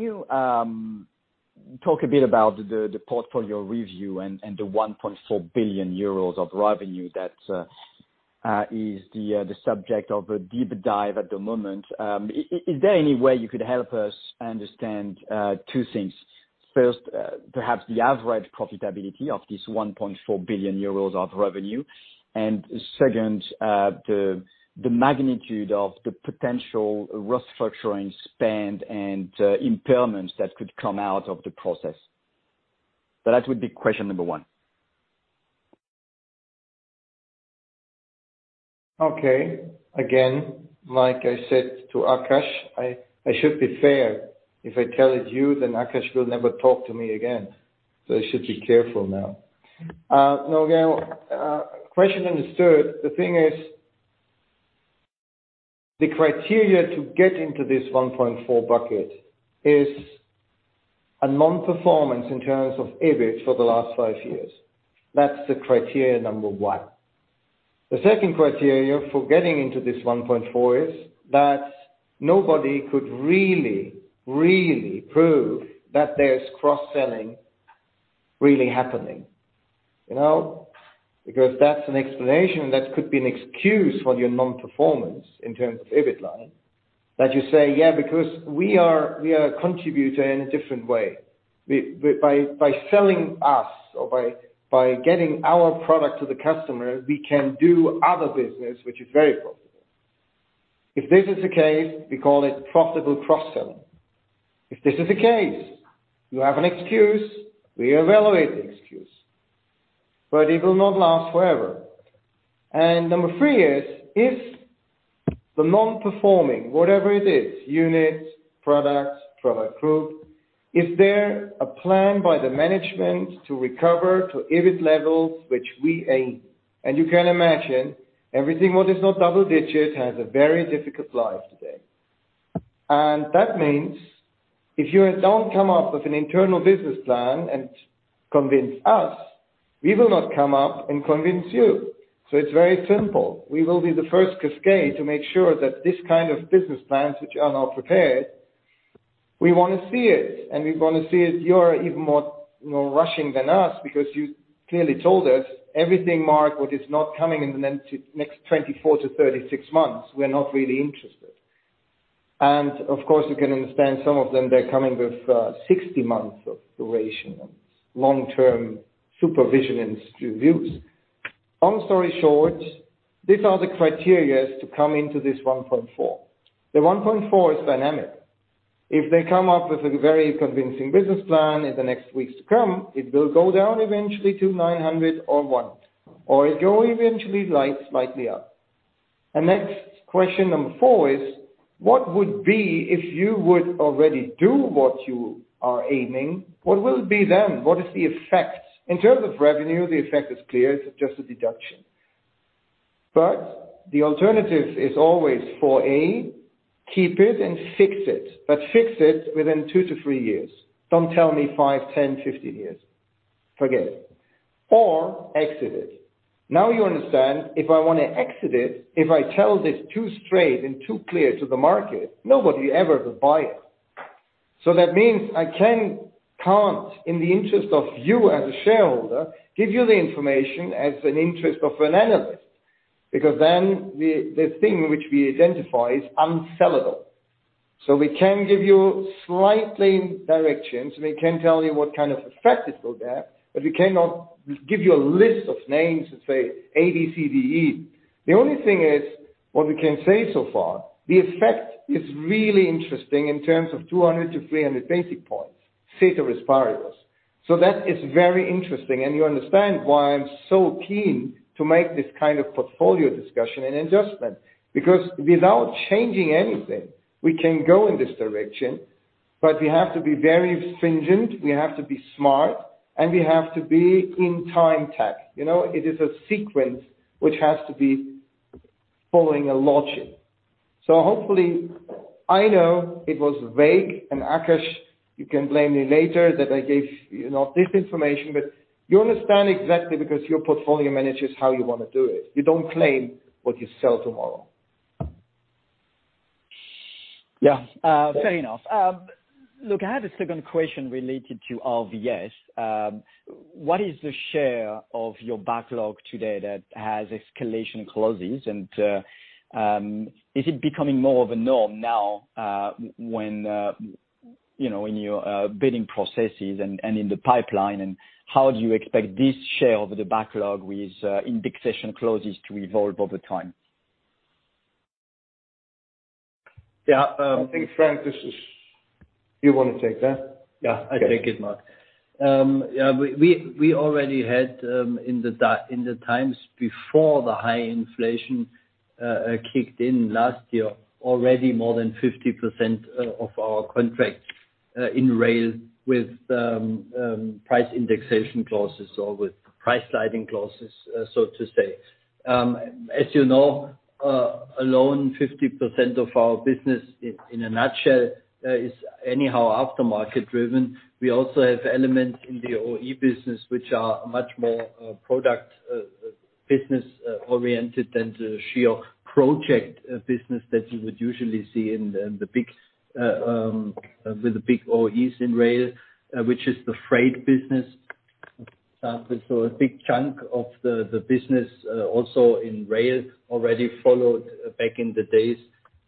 you talk a bit about the portfolio review and the 1.4 billion euros of revenue that is the subject of a deep dive at the moment. Is there any way you could help us understand two things? First, perhaps the average profitability of this 1.4 billion euros of revenue, and second, the magnitude of the potential restructuring spend and impairments that could come out of the process. That would be question number one. Okay. Again, like I said to Akash, I should be fair. If I tell it you, Akash will never talk to me again. I should be careful now. No, Gael, question understood. The criteria to get into this 1.4 bucket is a non-performance in terms of EBIT for the last five years. That's the criteria number 1. The second criteria for getting into this 1.4 is that nobody could really prove that there's cross-selling really happening. You know? That's an explanation, that could be an excuse for your non-performance in terms of EBIT line. That you say, yeah, we are contributing in a different way. We by selling us or by getting our product to the customer, we can do other business, which is very profitable. If this is the case, we call it profitable cross-selling. If this is the case, you have an excuse, we evaluate the excuse, but it will not last forever. Number three is, if the non-performing, whatever it is, units, products, product group, is there a plan by the management to recover to EBIT levels which we aim? You can imagine everything what is not double digits has a very difficult life today. That means if you don't come up with an internal business plan and convince us, we will not come up and convince you. It's very simple. We will be the first cascade to make sure that this kind of business plans which are now prepared, we wanna see it, and we wanna see it your even more rushing than us because you clearly told us everything Marc, what is not coming in the next 24-36 months, we're not really interested. Of course, you can understand some of them, they're coming with 60 months of duration and long-term supervision and reviews. Long story short, these are the criteria to come into this 1.4. The 1.4 is dynamic. If they come up with a very convincing business plan in the next weeks to come, it will go down eventually to 900 or one, or it go eventually light slightly up. Next question number four is, what would be if you would already do what you are aiming, what will it be then? What is the effects? In terms of revenue, the effect is clear, it's just a deduction. The alternative is always for A, keep it and fix it. Fix it within two-three years. Don't tell me five, 10, 15 years. Forget it. Or exit it. You understand if I wanna exit it, if I tell this too straight and too clear to the market, nobody ever could buy it. That means I can't in the interest of you as a shareholder, give you the information as an interest of an analyst, because then the thing which we identify is unsellable. We can give you slightly directions, and we can tell you what kind of effect it will have, but we cannot give you a list of names and say A, B, C, D, E. The only thing is, what we can say so far, the effect is really interesting in terms of 200-300 basis points, ceteris paribus. That is very interesting, and you understand why I'm so keen to make this kind of portfolio discussion an adjustment. Without changing anything, we can go in this direction, but we have to be very stringent, we have to be smart, and we have to be in time tech. You know, it is a sequence which has to be following a logic. Hopefully, I know it was vague, Akash, you can blame me later that I gave you not this information. You understand exactly because your portfolio manages how you wanna do it. You don't claim what you sell tomorrow. Yeah. Fair enough. Look, I have a second question related to RVS. What is the share of your backlog today that has escalation clauses? Is it becoming more of a norm now, You know, in your bidding processes and in the pipeline, and how do you expect this share of the backlog with indexation clauses to evolve over time? Yeah. I think Frank, this is... You wanna take that? Yeah. Okay. I take it, Marc. Yeah, we already had in the times before the high inflation kicked in last year, already more than 50% of our contracts in rail with price indexation clauses or with price sliding clauses, so to say. As you know, alone, 50% of our business in a nutshell, is anyhow aftermarket driven. We also have elements in the OE business which are much more product business oriented than the sheer project business that you would usually see in the big with the big OEs in rail, which is the freight business. A big chunk of the business also in rail already followed back in the days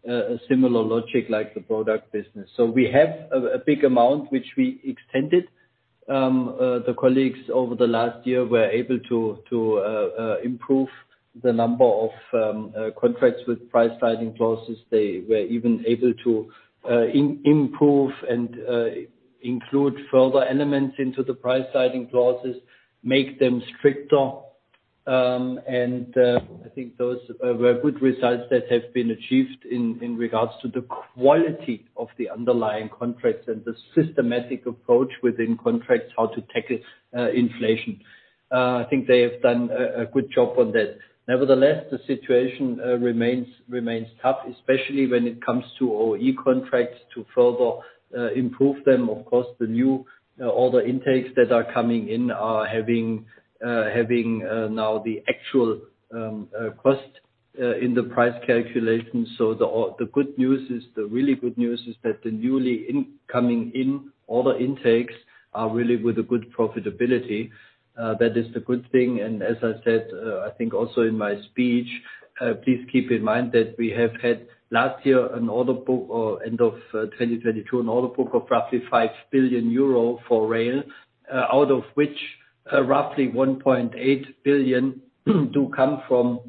a similar logic like the product business. We have a big amount which we extended. The colleagues over the last year were able to improve the number of contracts with price sliding clauses. They were even able to improve and include further elements into the price sliding clauses, make them stricter. I think those were good results that have been achieved in regards to the quality of the underlying contracts and the systematic approach within contracts, how to tackle inflation. I think they have done a good job on that. Nevertheless, the situation remains tough, especially when it comes to OE contracts to further improve them. Of course, the new order intakes that are coming in are having now the actual cost in the price calculation. The good news is, the really good news is that the newly coming in order intakes are really with a good profitability. That is the good thing. As I said, I think also in my speech, please keep in mind that we have had last year an order book or end of 2022 an order book of roughly 5 billion euro for rail. Out of which roughly 1.8 billion do come from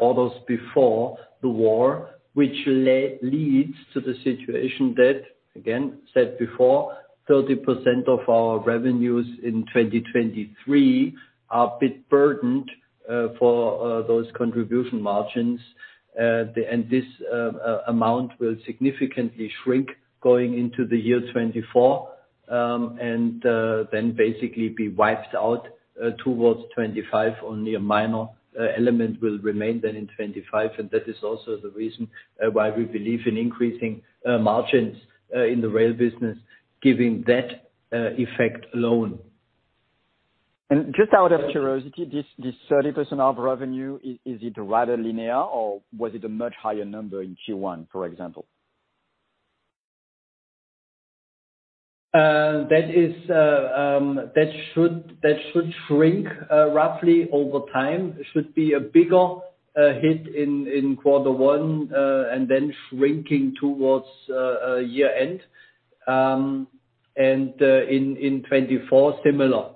orders before the war, which leads to the situation that, again, said before, 30% of our revenues in 2023 are a bit burdened for those contribution margins. This amount will significantly shrink going into the year 2024, and then basically be wiped out towards 2025. Only a minor element will remain then in 2025, and that is also the reason why we believe in increasing margins in the rail business, given that effect alone. Just out of curiosity, this 30% of revenue, is it rather linear or was it a much higher number in Q1, for example? That is, that should shrink roughly over time. Should be a bigger hit in Q1 and then shrinking towards year end. In 2024, similar.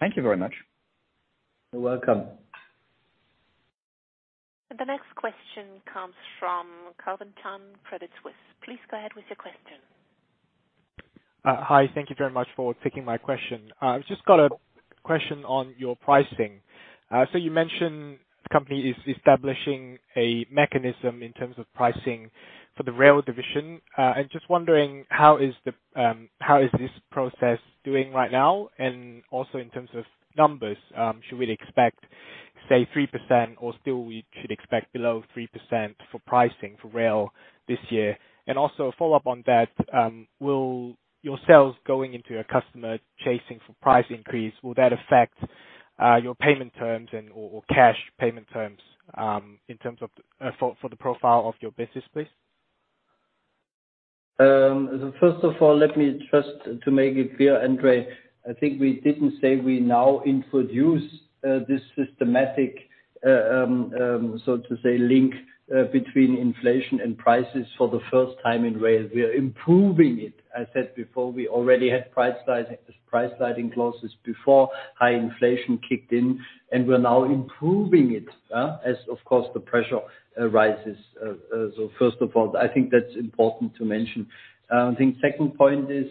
Thank you very much. You're welcome. The next question comes from Shannon O'Callaghan Credit Suisse. Please go ahead with your question. Hi. Thank you very much for taking my question. I've just got a question on your pricing. You mentioned the company is establishing a mechanism in terms of pricing for the rail division. Just wondering how is this process doing right now? Also in terms of numbers, should we expect, say, 3% or still we should expect below 3% for pricing for rail this year? Also a follow-up on that, will your sales going into your customer chasing for price increase, will that affect your payment terms and/or cash payment terms in terms of for the profile of your business, please? First of all, let me just to make it clear, Andre, I think we didn't say we now introduce this systematic so to say link between inflation and prices for the first time in rail. We are improving it. I said before, we already had price sliding clauses before high inflation kicked in, and we're now improving it as of course, the pressure arises. First of all, I think that's important to mention. I think second point is,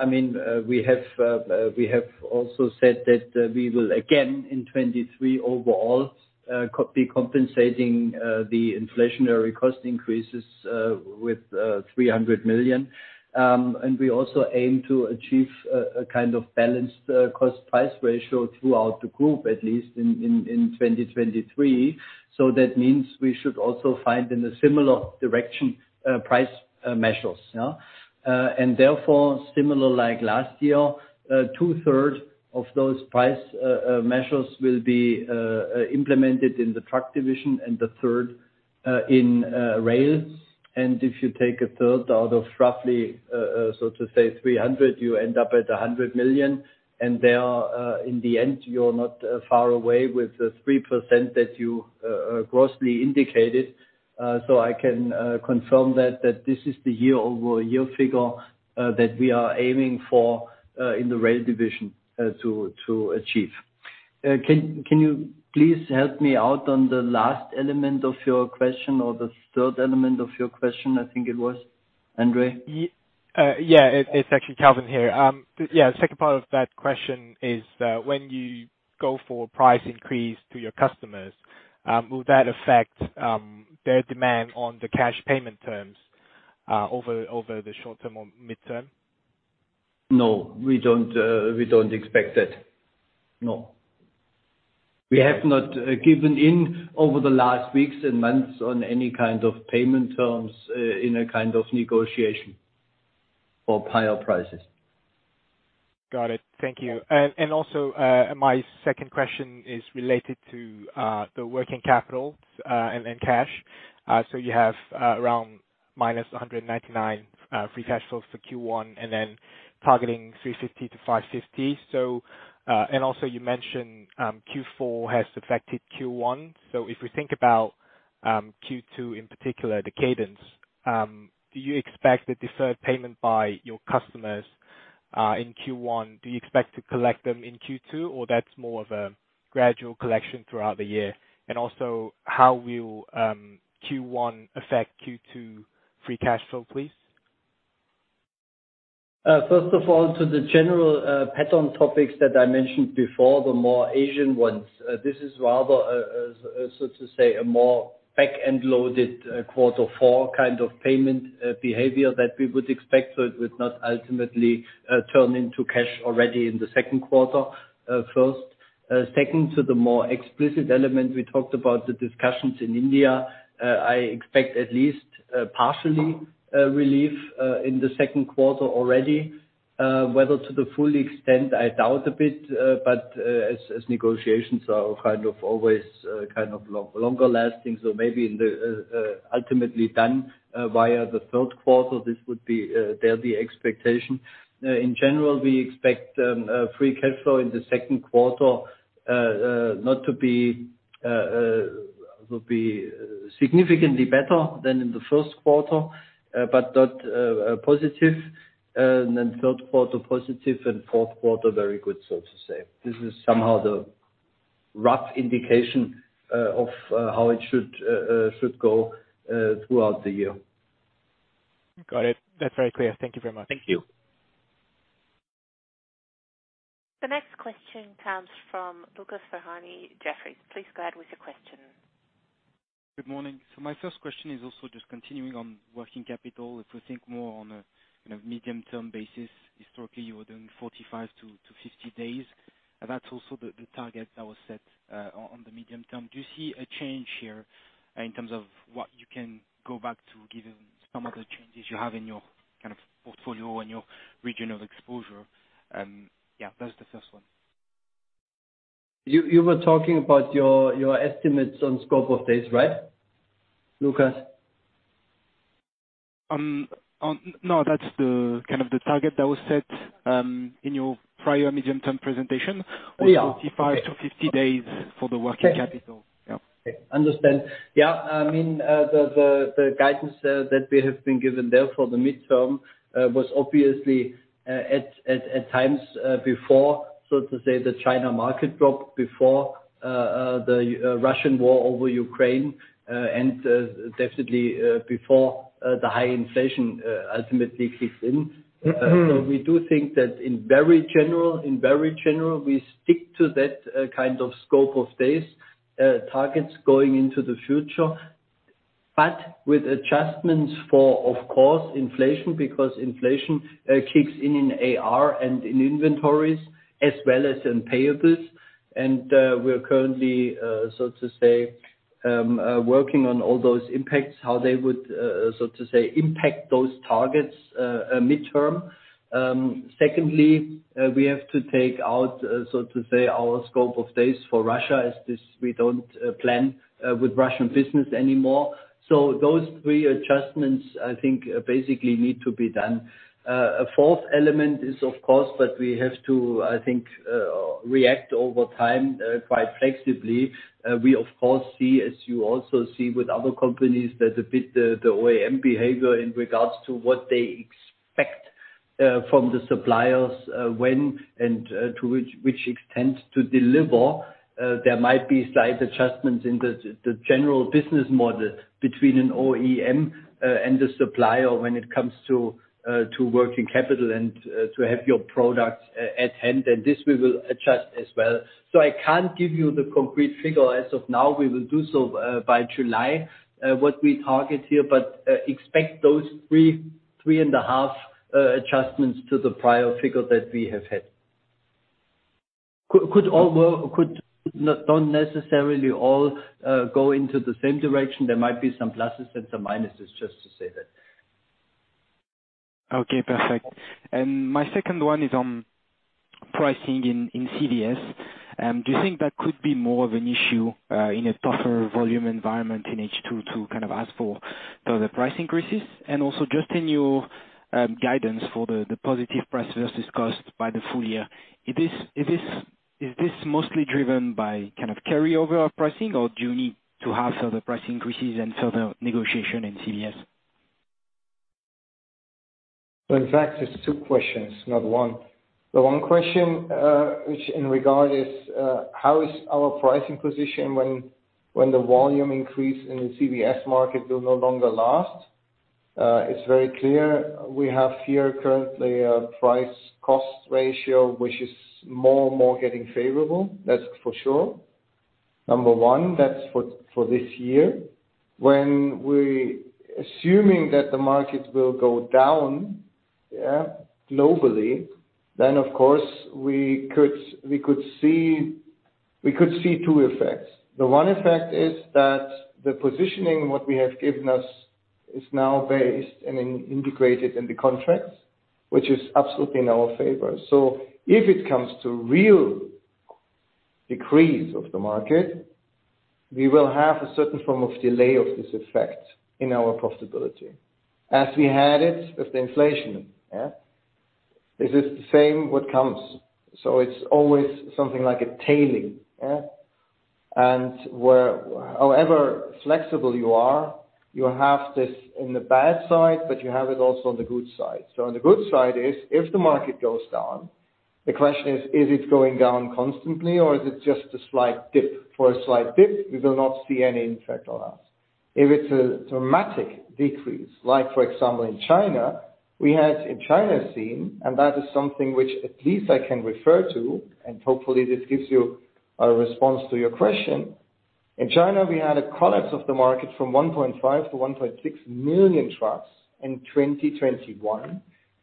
I mean, we have also said that we will again in 2023 overall be compensating the inflationary cost increases with 300 million. We also aim to achieve a kind of balanced cost price ratio throughout the group, at least in 2023. That means we should also find in a similar direction price measures, yeah. Therefore, similar like last year, 2/3 of those price measures will be implemented in the truck division and the third in rail. If you take a third out of roughly, so to say 300, you end up at 100 million. There, in the end, you're not far away with the 3% that you grossly indicated. I can confirm that this is the year-over-year figure that we are aiming for in the rail division to achieve. Can you please help me out on the last element of your question or the third element of your question, I think it was, Andre? Yeah, it's actually Calvin here. Second part of that question is, when you go for price increase to your customers, will that affect their demand on the cash payment terms, over the short term or midterm? No, we don't, we don't expect that. No. We have not given in over the last weeks and months on any kind of payment terms, in a kind of negotiation for pile prices. Got it. Thank you. And also, my second question is related to the working capital and cash. You have around minus 199 free cash flows for Q1, and then targeting 350-550. And also, you mentioned Q4 has affected Q1. If we think about Q2 in particular, the cadence, do you expect the deferred payment by your customers in Q1? Do you expect to collect them in Q2, or that's more of a gradual collection throughout the year? And also, how will Q1 affect Q2 free cash flow, please? First of all, to the general pattern topics that I mentioned before, the more Asian ones, this is rather, so to say, a more back-end loaded, quarter four kind of payment behavior that we would expect, so it would not ultimately turn into cash already in the second quarter, first. Second, to the more explicit element, we talked about the discussions in India. I expect at least partially relief in the second quarter already. Whether to the full extent, I doubt a bit, but as negotiations are kind of always longer lasting, so maybe in the ultimately done via the third quarter, this would be they're the expectation. In general, we expect free cash flow in the second quarter will be significantly better than in the first quarter, but not positive. Third quarter positive and fourth quarter very good, so to say. This is somehow the rough indication of how it should go throughout the year. Got it. That's very clear. Thank you very much. Thank you. The next question comes from Lucas Ferhani, Jefferies. Please go ahead with your question. Good morning. My first question is also just continuing on working capital. If we think more on a, you know, medium-term basis, historically you were doing 45 to 50 days. That's also the target that was set on the medium term. Do you see a change here in terms of what you can go back to, given some of the changes you have in your kind of portfolio and your regional exposure? Yeah, that's the first one. You were talking about your estimates on scope of days, right, Lucas? no, that's the, kind of the target that was set, in your prior medium-term presentation. Oh, yeah. 45-50 days for the working capital. Yeah. Understand. Yeah. I mean, the guidance that we have been given there for the midterm was obviously at times before, so to say, the China market drop, before the Russian war over Ukraine, and definitely before the high inflation ultimately kicks in. Mm-hmm. We do think that in very general, we stick to that kind of scope of days targets going into the future. With adjustments for, of course, inflation, because inflation kicks in in AR and in inventories as well as in payables. We are currently, so to say, working on all those impacts, how they would, so to say, impact those targets midterm. Secondly, we have to take out, so to say, our scope of days for Russia as this, we don't plan with Russian business anymore. Those three adjustments, I think, basically need to be done. A fourth element is, of course, that we have to, I think, react over time, quite flexibly. We of course see, as you also see with other companies, that a bit the OEM behavior in regards to what they expect from the suppliers, when and to which extent to deliver. There might be slight adjustments in the general business model between an OEM and the supplier when it comes to working capital and to have your products at hand, and this we will adjust as well. I can't give you the complete figure as of now. We will do so by July, what we target here, but expect those three and a half adjustments to the prior figure that we have had. Don't necessarily all go into the same direction. There might be some pluses and some minuses, just to say that. Okay, perfect. My second one is on pricing in CVS. Do you think that could be more of an issue in a tougher volume environment in H2 to kind of ask for further price increases? Also just in your guidance for the positive price versus cost by the full year, is this mostly driven by kind of carryover pricing or do you need to have further price increases and further negotiation in CVS? In fact, it's two questions, not one. The one question, which in regard is, how is our pricing position when the volume increase in the CVS market will no longer last? It's very clear we have here currently a price cost ratio which is more and more getting favorable, that's for sure. Number one, that's for this year. Assuming that the market will go down, yeah, globally, then of course, we could see two effects. The one effect is that the positioning what we have given us is now based and integrated in the contracts, which is absolutely in our favor. So if it comes to real decrease of the market, we will have a certain form of delay of this effect in our profitability as we had it with the inflation, yeah. This is the same what comes, so it's always something like a tailing, yeah. Where however flexible you are, you have this in the bad side, but you have it also on the good side. On the good side is, if the market goes down, the question is it going down constantly or is it just a slight dip? For a slight dip, we will not see any effect on us. If it's a dramatic decrease, like for example in China, we had in China seen, and that is something which at least I can refer to, and hopefully this gives you a response to your question. In China, we had a collapse of the market from 1.5 million-1.6 million trucks in 2021,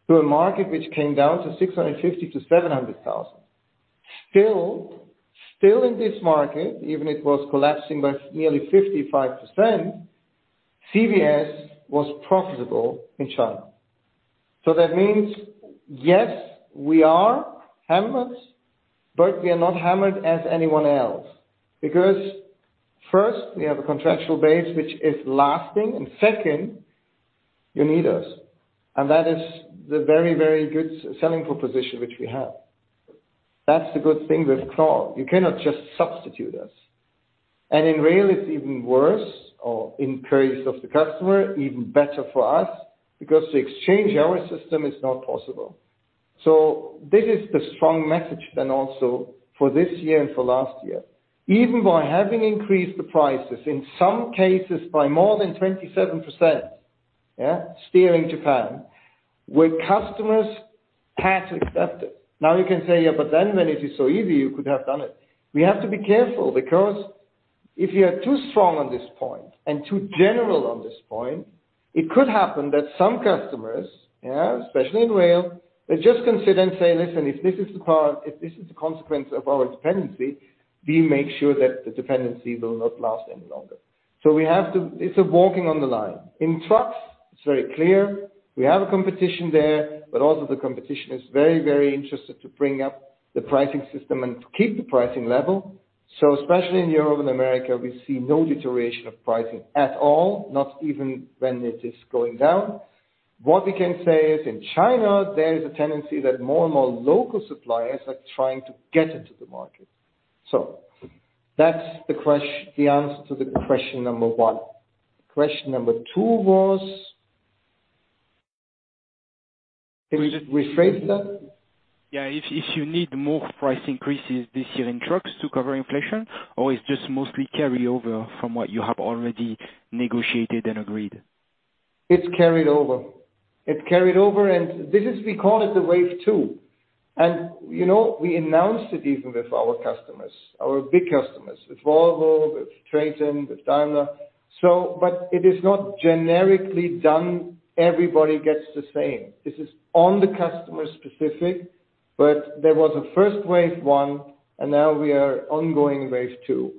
to a market which came down to 650,000-700,000. Still in this market, even it was collapsing by nearly 55%, CVS was profitable in China. That means, yes, we are hammered, but we are not hammered as anyone else. First, we have a contractual base which is lasting. Second, you need us. That is the very, very good selling proposition which we have. That's the good thing with Knorr. You cannot just substitute us. In rail it's even worse or in case of the customer, even better for us, because to exchange our system is not possible. This is the strong message then also for this year and for last year. Even by having increased the prices, in some cases by more than 27%, yeah, steering Japan, where customers had to accept it. Now you can say, yeah, when it is so easy, you could have done it. We have to be careful because if you are too strong on this point and too general on this point, it could happen that some customers, yeah, especially in rail, they just consider and say, "Listen, if this is the consequence of our dependency, we make sure that the dependency will not last any longer." We have to. It's a walking on the line. In trucks, it's very clear we have a competition there, but also the competition is very, very interested to bring up the pricing system and to keep the pricing level. Especially in Europe and America, we see no deterioration of pricing at all, not even when it is going down. What we can say is in China, there is a tendency that more and more local suppliers are trying to get into the market. That's the answer to the question number one. Question number two was? Can you rephrase that? Yeah. If you need more price increases this year in trucks to cover inflation, or it's just mostly carry over from what you have already negotiated and agreed? It's carried over. This is we call it the Wave Two. You know, we announced it even with our customers, our big customers. With Volvo, with Traton, with Daimler. But it is not generically done, everybody gets the same. This is on the customer specific, but there was a first Wave One, now we are ongoing Wave 2.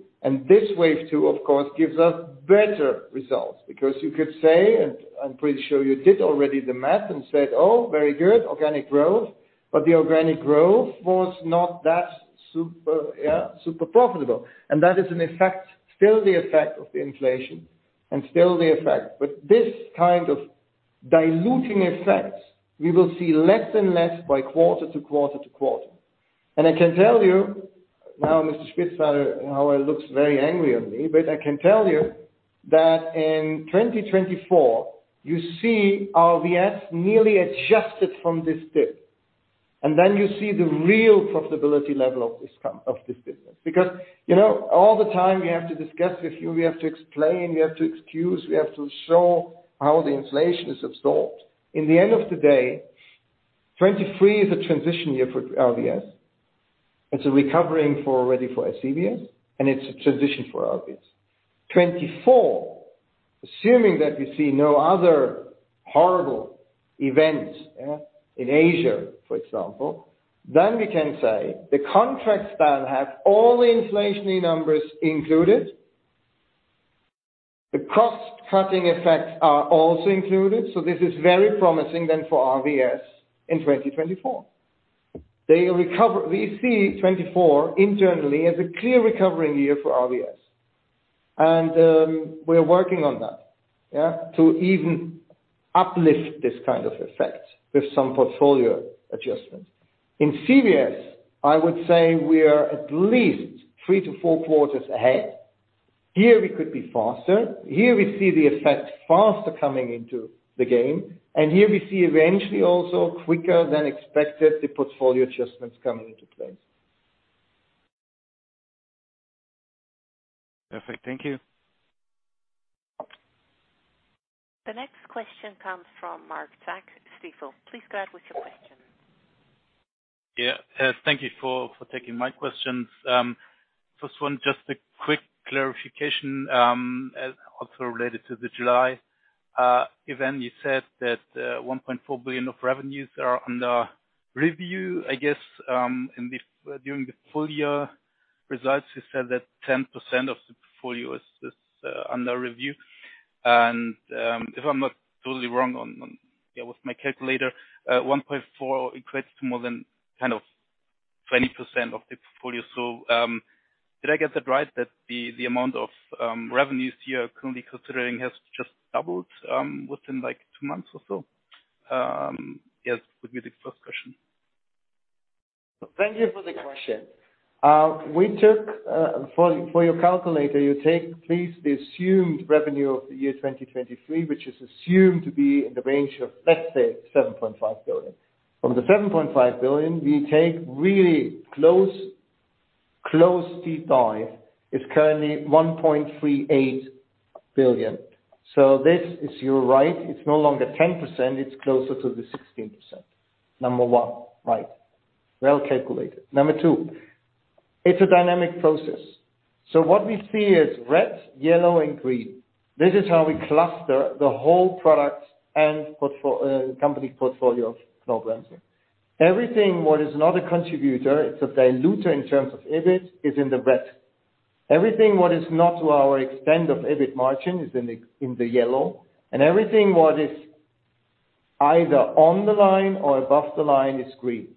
This Wave 2, of course, gives us better results because you could say, and I'm pretty sure you did already the math and said, "Oh, very good organic growth." The organic growth was not that super, yeah, super profitable. That is an effect, still the effect of the inflation and still the effect. This kind of diluting effect, we will see less and less by quarter to quarter to quarter. I can tell you now, Mr. Spitzner, however looks very angry on me, but I can tell you that in 2024, you see RVS nearly adjusted from this dip. Then you see the real profitability level of this of this business. You know, all the time we have to discuss with you, we have to explain, we have to excuse, we have to show how the inflation is absorbed. In the end of the day, 2023 is a transition year for RVS. It's a recovering for already for CVS, and it's a transition for RVS. 2024, assuming that we see no other horrible events, yeah, in Asia, for example, then we can say the contract then have all the inflationary numbers included. The cost cutting effects are also included. This is very promising then for RVS in 2024. We see 2024 internally as a clear recovery year for RVS. We are working on that, yeah, to even uplift this kind of effect with some portfolio adjustments. In CVS, I would say we are at least three to four quarters ahead. Here we could be faster. Here we see the effect faster coming into the game, and here we see eventually also quicker than expected, the portfolio adjustments coming into place. Perfect. Thank you. The next question comes from Marc-René Tonn, Stifel. Please go ahead with your question. Yeah. Thank you for taking my questions. First one, just a quick clarification, also related to the July event. You said that 1.4 billion of revenues are under review, I guess, in the, during the full year results, you said that 10% of the portfolio is under review. If I'm not totally wrong on, yeah, with my calculator, 1.4 equates to more than 10% or 20% of the portfolio. Did I get that right? That the amount of revenues you are currently considering has just doubled within, like, two months or so? Yes, would be the first question. Thank you for the question. We took for your calculator, you take please the assumed revenue of the year 2023, which is assumed to be in the range of, let's say, 7.5 billion. From the 7.5 billion, we take really close deep dive, is currently 1.38 billion. This is, you're right, it's no longer 10%, it's closer to the 16%. Number one, right. Well calculated. Number two, it's a dynamic process. What we see is red, yellow, and green. This is how we cluster the whole products and company portfolio of programs here. Everything what is not a contributor, it's a diluter in terms of EBIT, is in the red. Everything what is not to our extent of EBIT margin is in the, in the yellow. Everything what is either on the line or above the line is green.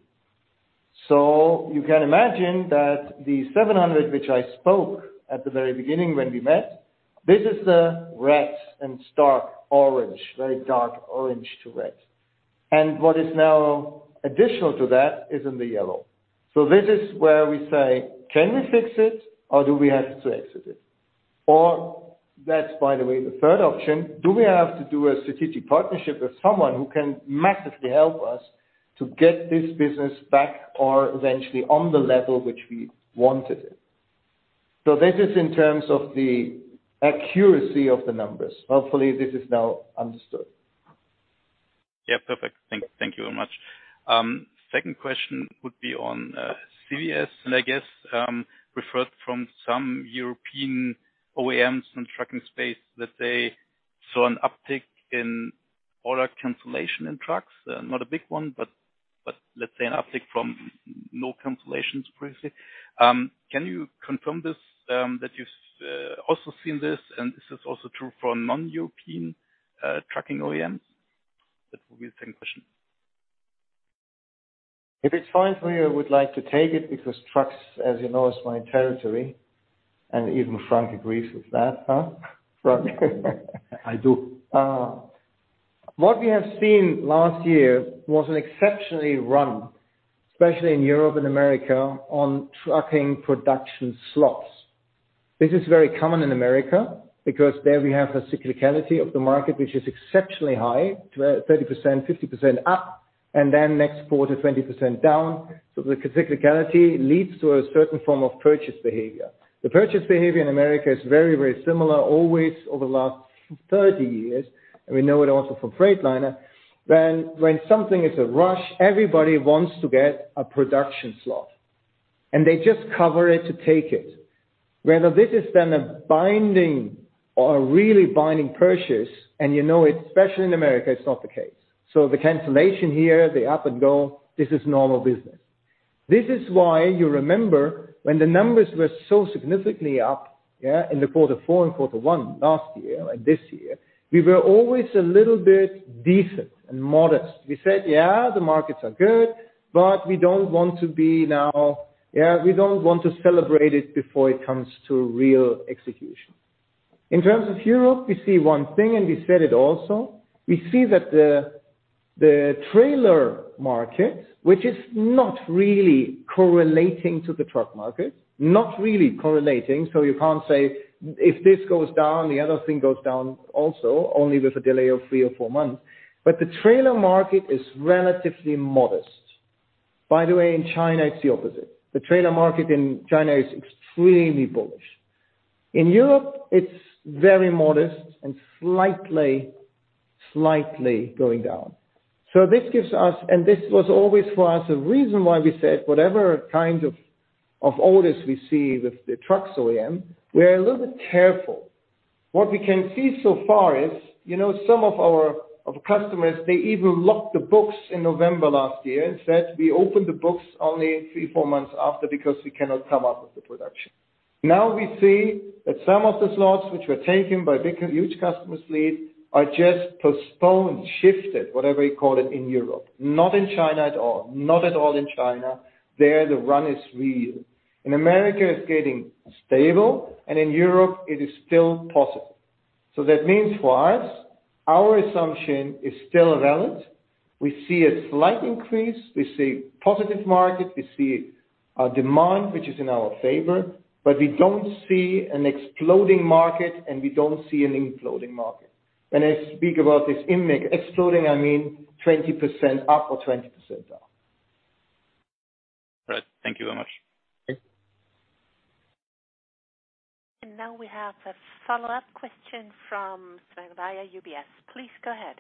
You can imagine that the 700, which I spoke at the very beginning when we met, this is the red and stark orange, very dark orange to red. What is now additional to that is in the yellow. This is where we say, "Can we fix it or do we have to exit it?" That's, by the way, the third option. Do we have to do a strategic partnership with someone who can massively help us to get this business back or eventually on the level which we wanted it? This is in terms of the accuracy of the numbers. Hopefully, this is now understood. Yeah. Perfect. Thank you very much. Second question would be on CVS, and I guess referred from some European OEMs and trucking space that they saw an uptick in order cancellation in trucks. Not a big one, but let's say an uptick from no cancellations previously. Can you confirm this that you've also seen this and this is also true for non-European trucking OEMs? That will be the same question. If it's fine for you, I would like to take it because trucks, as you know, is my territory, and even Frank agrees with that, huh? Frank. I do. What we have seen last year was an exceptionally run, especially in Europe and America, on trucking production slots. This is very common in America because there we have a cyclicality of the market, which is exceptionally high, 30%, 50% up, and then next quarter, 20% down. The cyclicality leads to a certain form of purchase behavior. The purchase behavior in America is very, very similar, always over the last 30 years, and we know it also from Freightliner. When something is a rush, everybody wants to get a production slot, and they just cover it to take it. Whether this is then a binding or a really binding purchase, and you know it, especially in America, it's not the case. The cancellation here, the up and go, this is normal business. This is why you remember when the numbers were so significantly up, yeah, in the quarter four and quarter one last year, like this year, we were always a little bit decent and modest. We said, "Yeah, the markets are good, but we don't want to be now. Yeah, we don't want to celebrate it before it comes to real execution." In terms of Europe, we see one thing, and we said it also. We see that the trailer market, which is not really correlating to the truck market, not really correlating. You can't say, if this goes down, the other thing goes down also, only with a delay of three or four months. The trailer market is relatively modest. By the way, in China, it's the opposite. The trailer market in China is extremely bullish. In Europe, it's very modest and slightly going down. This gives us, and this was always for us, a reason why we said whatever kind of orders we see with the trucks OEM, we are a little bit careful. What we can see so far is, you know, some of our, of customers, they even locked the books in November last year and said, "We open the books only three, four months after because we cannot come up with the production." Now we see that some of the slots which were taken by big, huge customers lead are just postponed, shifted, whatever you call it, in Europe. Not in China at all. Not at all in China. There, the run is real. In America, it's getting stable, and in Europe it is still possible. That means for us, our assumption is still valid. We see a slight increase. We see positive market. We see a demand which is in our favor, but we don't see an exploding market, and we don't see an imploding market. When I speak about this exploding, I mean 20% up or 20% down. Right. Thank you very much. Okay. now we have a follow-up question from Sven UBS. Please go ahead.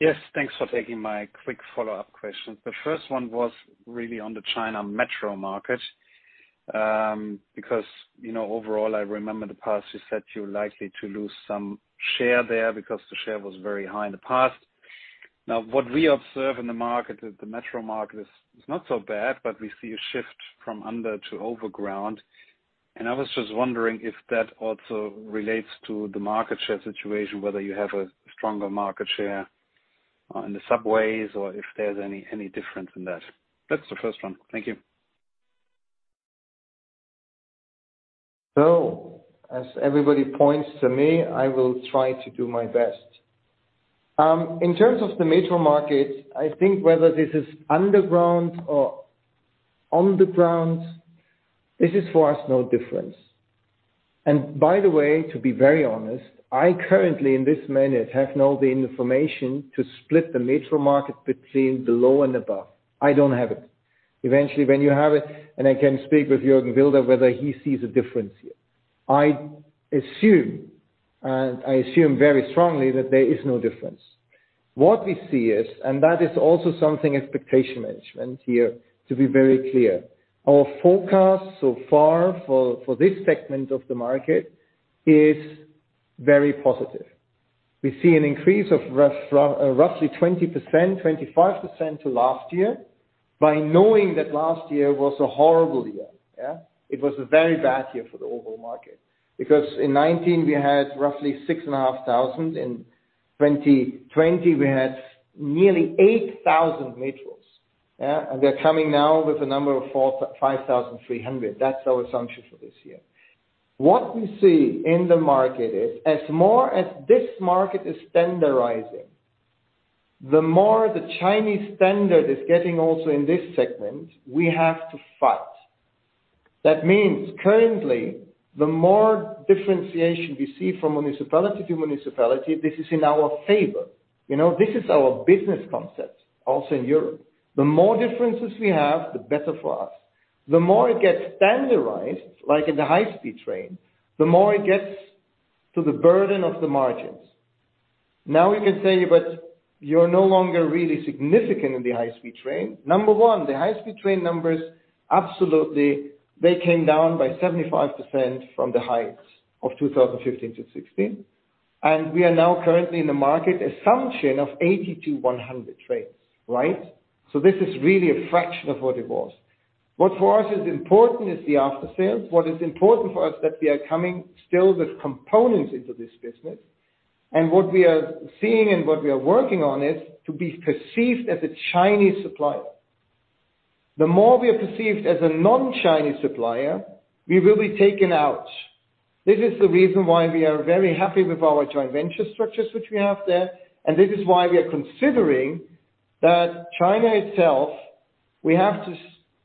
Yes, thanks for taking my quick follow-up questions. The first one was really on the China metro market, because, you know, overall, I remember the past, you said you're likely to lose some share there because the share was very high in the past. Now, what we observe in the market is the metro market is not so bad, but we see a shift from under to overground. I was just wondering if that also relates to the market share situation, whether you have a stronger market share in the subways or if there's any difference in that. That's the first one. Thank you. As everybody points to me, I will try to do my best. In terms of the metro market, I think whether this is underground or on the ground, this is for us, no difference. By the way, to be very honest, I currently, in this minute, have no the information to split the metro market between below and above. I don't have it. Eventually, when you have it, and I can speak with Jürgen Wilder, whether he sees a difference here. I assume, and I assume very strongly that there is no difference. What we see is, that is also something expectation management here, to be very clear. Our forecast so far for this segment of the market is very positive. We see an increase of roughly 20%, 25% to last year by knowing that last year was a horrible year. Yeah. It was a very bad year for the overall market. In 2019 we had roughly 6,500. In 2020, we had nearly 8,000 metros. Yeah. They're coming now with a number of 5,300. That's our assumption for this year. What we see in the market is as more as this market is standardizing, the more the Chinese standard is getting also in this segment, we have to fight. That means currently, the more differentiation we see from municipality to municipality, this is in our favor. You know, this is our business concept also in Europe. The more differences we have, the better for us. The more it gets standardized, like in the high-speed train, the more it gets to the burden of the margins. Now we can say, you're no longer really significant in the high-speed train. Number one, the high-speed train numbers, absolutely, they came down by 75% from the heights of 2015 to 2016. We are now currently in the market, assumption of 80 to 100 trains, right? This is really a fraction of what it was. What for us is important is the after-sales. What is important for us that we are coming still with components into this business. What we are seeing and what we are working on is to be perceived as a Chinese supplier. The more we are perceived as a non-Chinese supplier, we will be taken out. This is the reason why we are very happy with our joint venture structures which we have there. This is why we are considering that China itself, we have to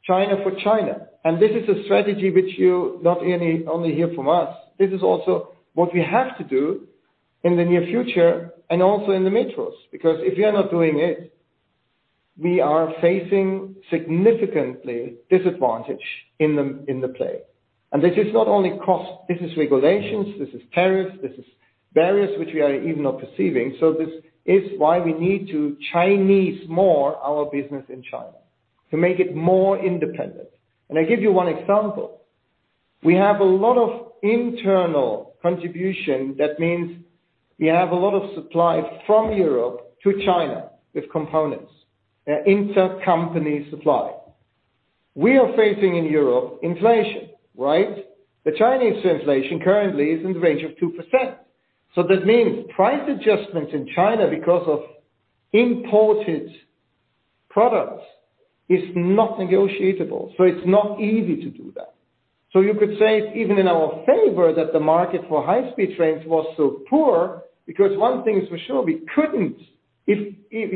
China for China. This is a strategy which you not only hear from us. This is also what we have to do in the near future and also in the metros, because if you are not doing it, we are facing significantly disadvantage in the play. This is not only cost. This is regulations, this is tariffs, this is barriers which we are even not perceiving. This is why we need to Chinese more our business in China, to make it more independent. I give you one example. We have a lot of internal contribution. That means we have a lot of supply from Europe to China with components. They're inter-company supply. We are facing in Europe inflation, right? The Chinese inflation currently is in the range of 2%. That means price adjustments in China because of imported products is not negotiable. It's not easy to do that. You could say it's even in our favor that the market for high-speed trains was so poor, because one thing is for sure, we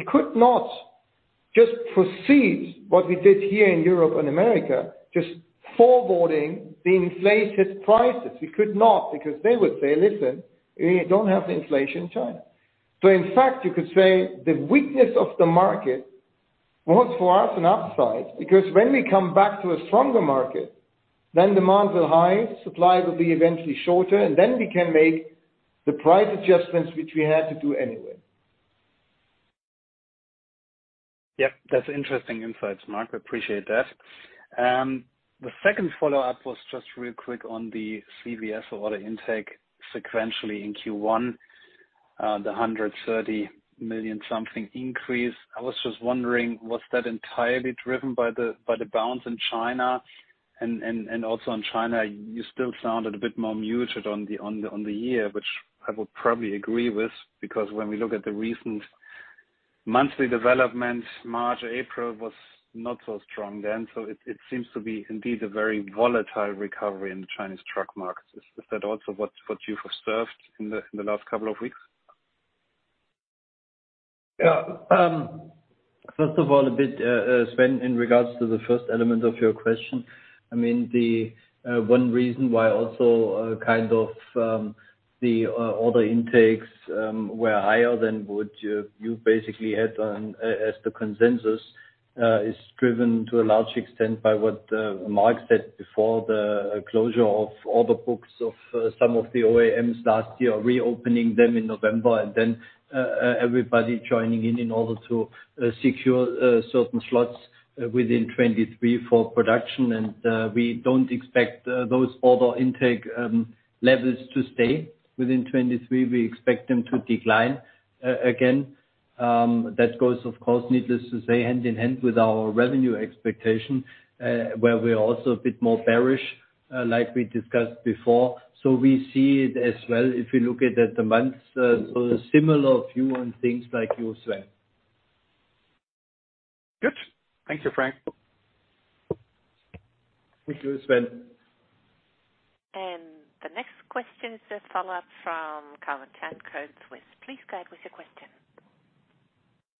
could not just proceed what we did here in Europe and America, just forwarding the inflated prices. We could not, because they would say, "Listen, we don't have the inflation in China." In fact, you could say the weakness of the market was for us an upside, because when we come back to a stronger market, then demand will high, supply will be eventually shorter, and then we can make the price adjustments which we had to do anyway. Yep. That's interesting insights, Marc. I appreciate that. The second follow-up was just real quick on the CVS order intake sequentially in Q1. The 130 million something increase. I was just wondering, was that entirely driven by the bounce in China? Also in China, you still sounded a bit more muted on the year, which I would probably agree with because when we look at the recent monthly development, March, April was not so strong then. It seems to be indeed a very volatile recovery in the Chinese truck markets. Is that also what you've observed in the last couple of weeks? Yeah. First of all, a bit, Sven, in regards to the first element of your question, I mean, the one reason why also kind of the order intakes were higher than what you basically had on as the consensus is driven to a large extent by what Marc said before, the closure of order books of some of the OEMs last year, reopening them in November and then everybody joining in in order to secure certain slots within 2023 for production. We don't expect those order intake levels to stay within 2023. We expect them to decline again. That goes, of course, needless to say, hand in hand with our revenue expectation, where we're also a bit more bearish, like we discussed before. We see it as well, if you look at the months, so a similar view on things like you, Sven. Good. Thank you, Frank. Thank you, Sven. The next question is a follow-up from Kuan-Ern Tan, Credit Suisse. Please go ahead with your question.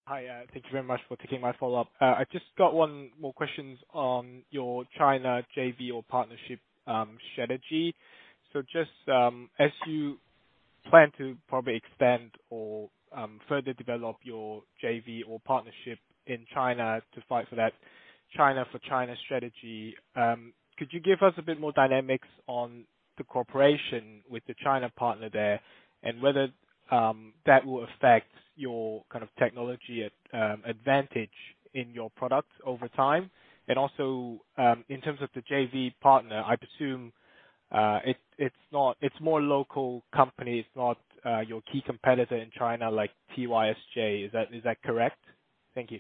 Hi, thank you very much for taking my follow-up. I just got one more questions on your China JV or partnership strategy. Just, as you plan to probably expand or further develop your JV or partnership in China to fight for that China for China strategy, could you give us a bit more dynamics on the cooperation with the China partner there and whether that will affect your kind of technology at advantage in your products over time? Also, in terms of the JV partner, I presume, It's more local companies, not your key competitor in China, like TYSJ. Is that, is that correct? Thank you.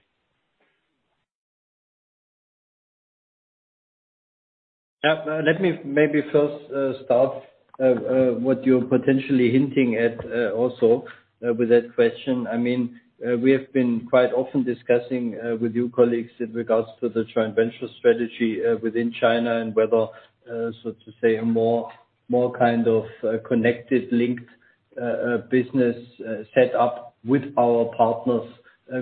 Let me maybe first start what you're potentially hinting at also with that question. I mean, we have been quite often discussing with you colleagues in regards to the joint venture strategy within China and whether, so to say, a more, more kind of, connected linked business set up with our partners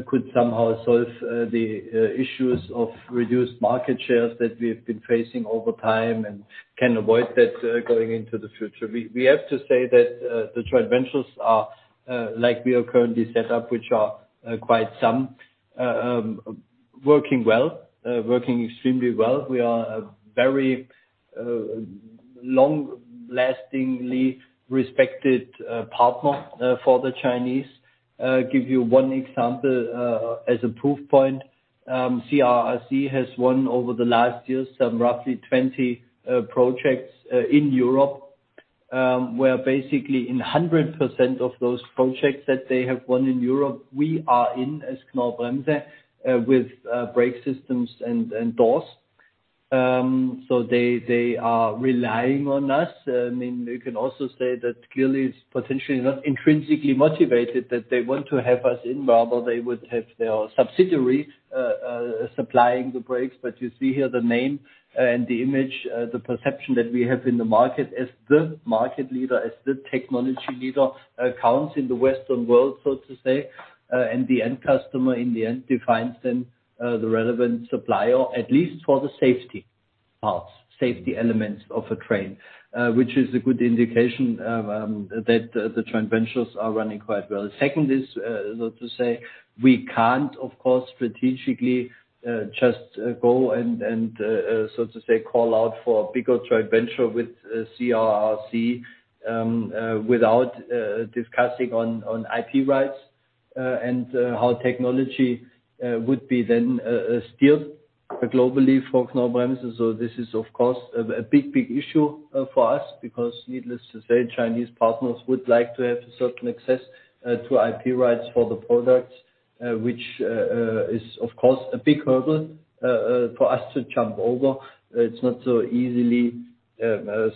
could somehow solve the issues of reduced market shares that we've been facing over time and can avoid that going into the future. We have to say that the joint ventures are like we are currently set up, which are quite some working well, working extremely well. We are a very long lastingly respected partner for the Chinese. Give you one example as a proof point. CRRC has won over the last year, some roughly 20 projects in Europe, where basically in 100% of those projects that they have won in Europe, we are in as Knorr-Bremse with brake systems and doors. They are relying on us. I mean, you can also say that clearly it's potentially not intrinsically motivated that they want to have us in rather they would have their subsidiary supplying the brakes. You see here the name and the image, the perception that we have in the market as the market leader, as the technology leader, counts in the Western world, so to say. The end customer in the end defines then, the relevant supplier, at least for the safety parts, safety elements of a train, which is a good indication that the joint ventures are running quite well. Second is, so to say, we can't, of course, strategically, just go and, so to say, call out for a bigger joint venture with CRRC, without discussing on IP rights, and how technology would be then steered globally for Knorr-Bremse. This is of course a big, big issue for us, because needless to say, Chinese partners would like to have a certain access to IP rights for the products, which is of course a big hurdle for us to jump over. It's not so easily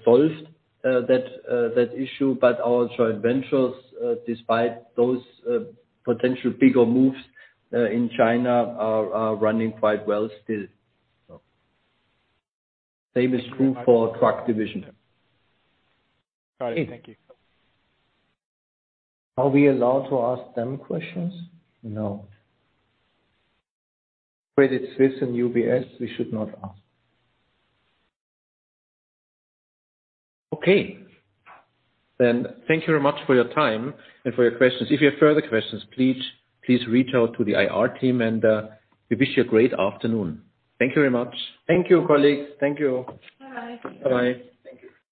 solved that issue. Our joint ventures, despite those potential bigger moves in China are running quite well still. Same is true for truck division. All right. Thank you. Are we allowed to ask them questions? No. Credit Suisse and UBS, we should not ask. Okay. Thank you very much for your time and for your questions. If you have further questions, please reach out to the IR team, and we wish you a great afternoon. Thank you very much. Thank you, colleagues. Thank you. Bye. Bye. Thank you.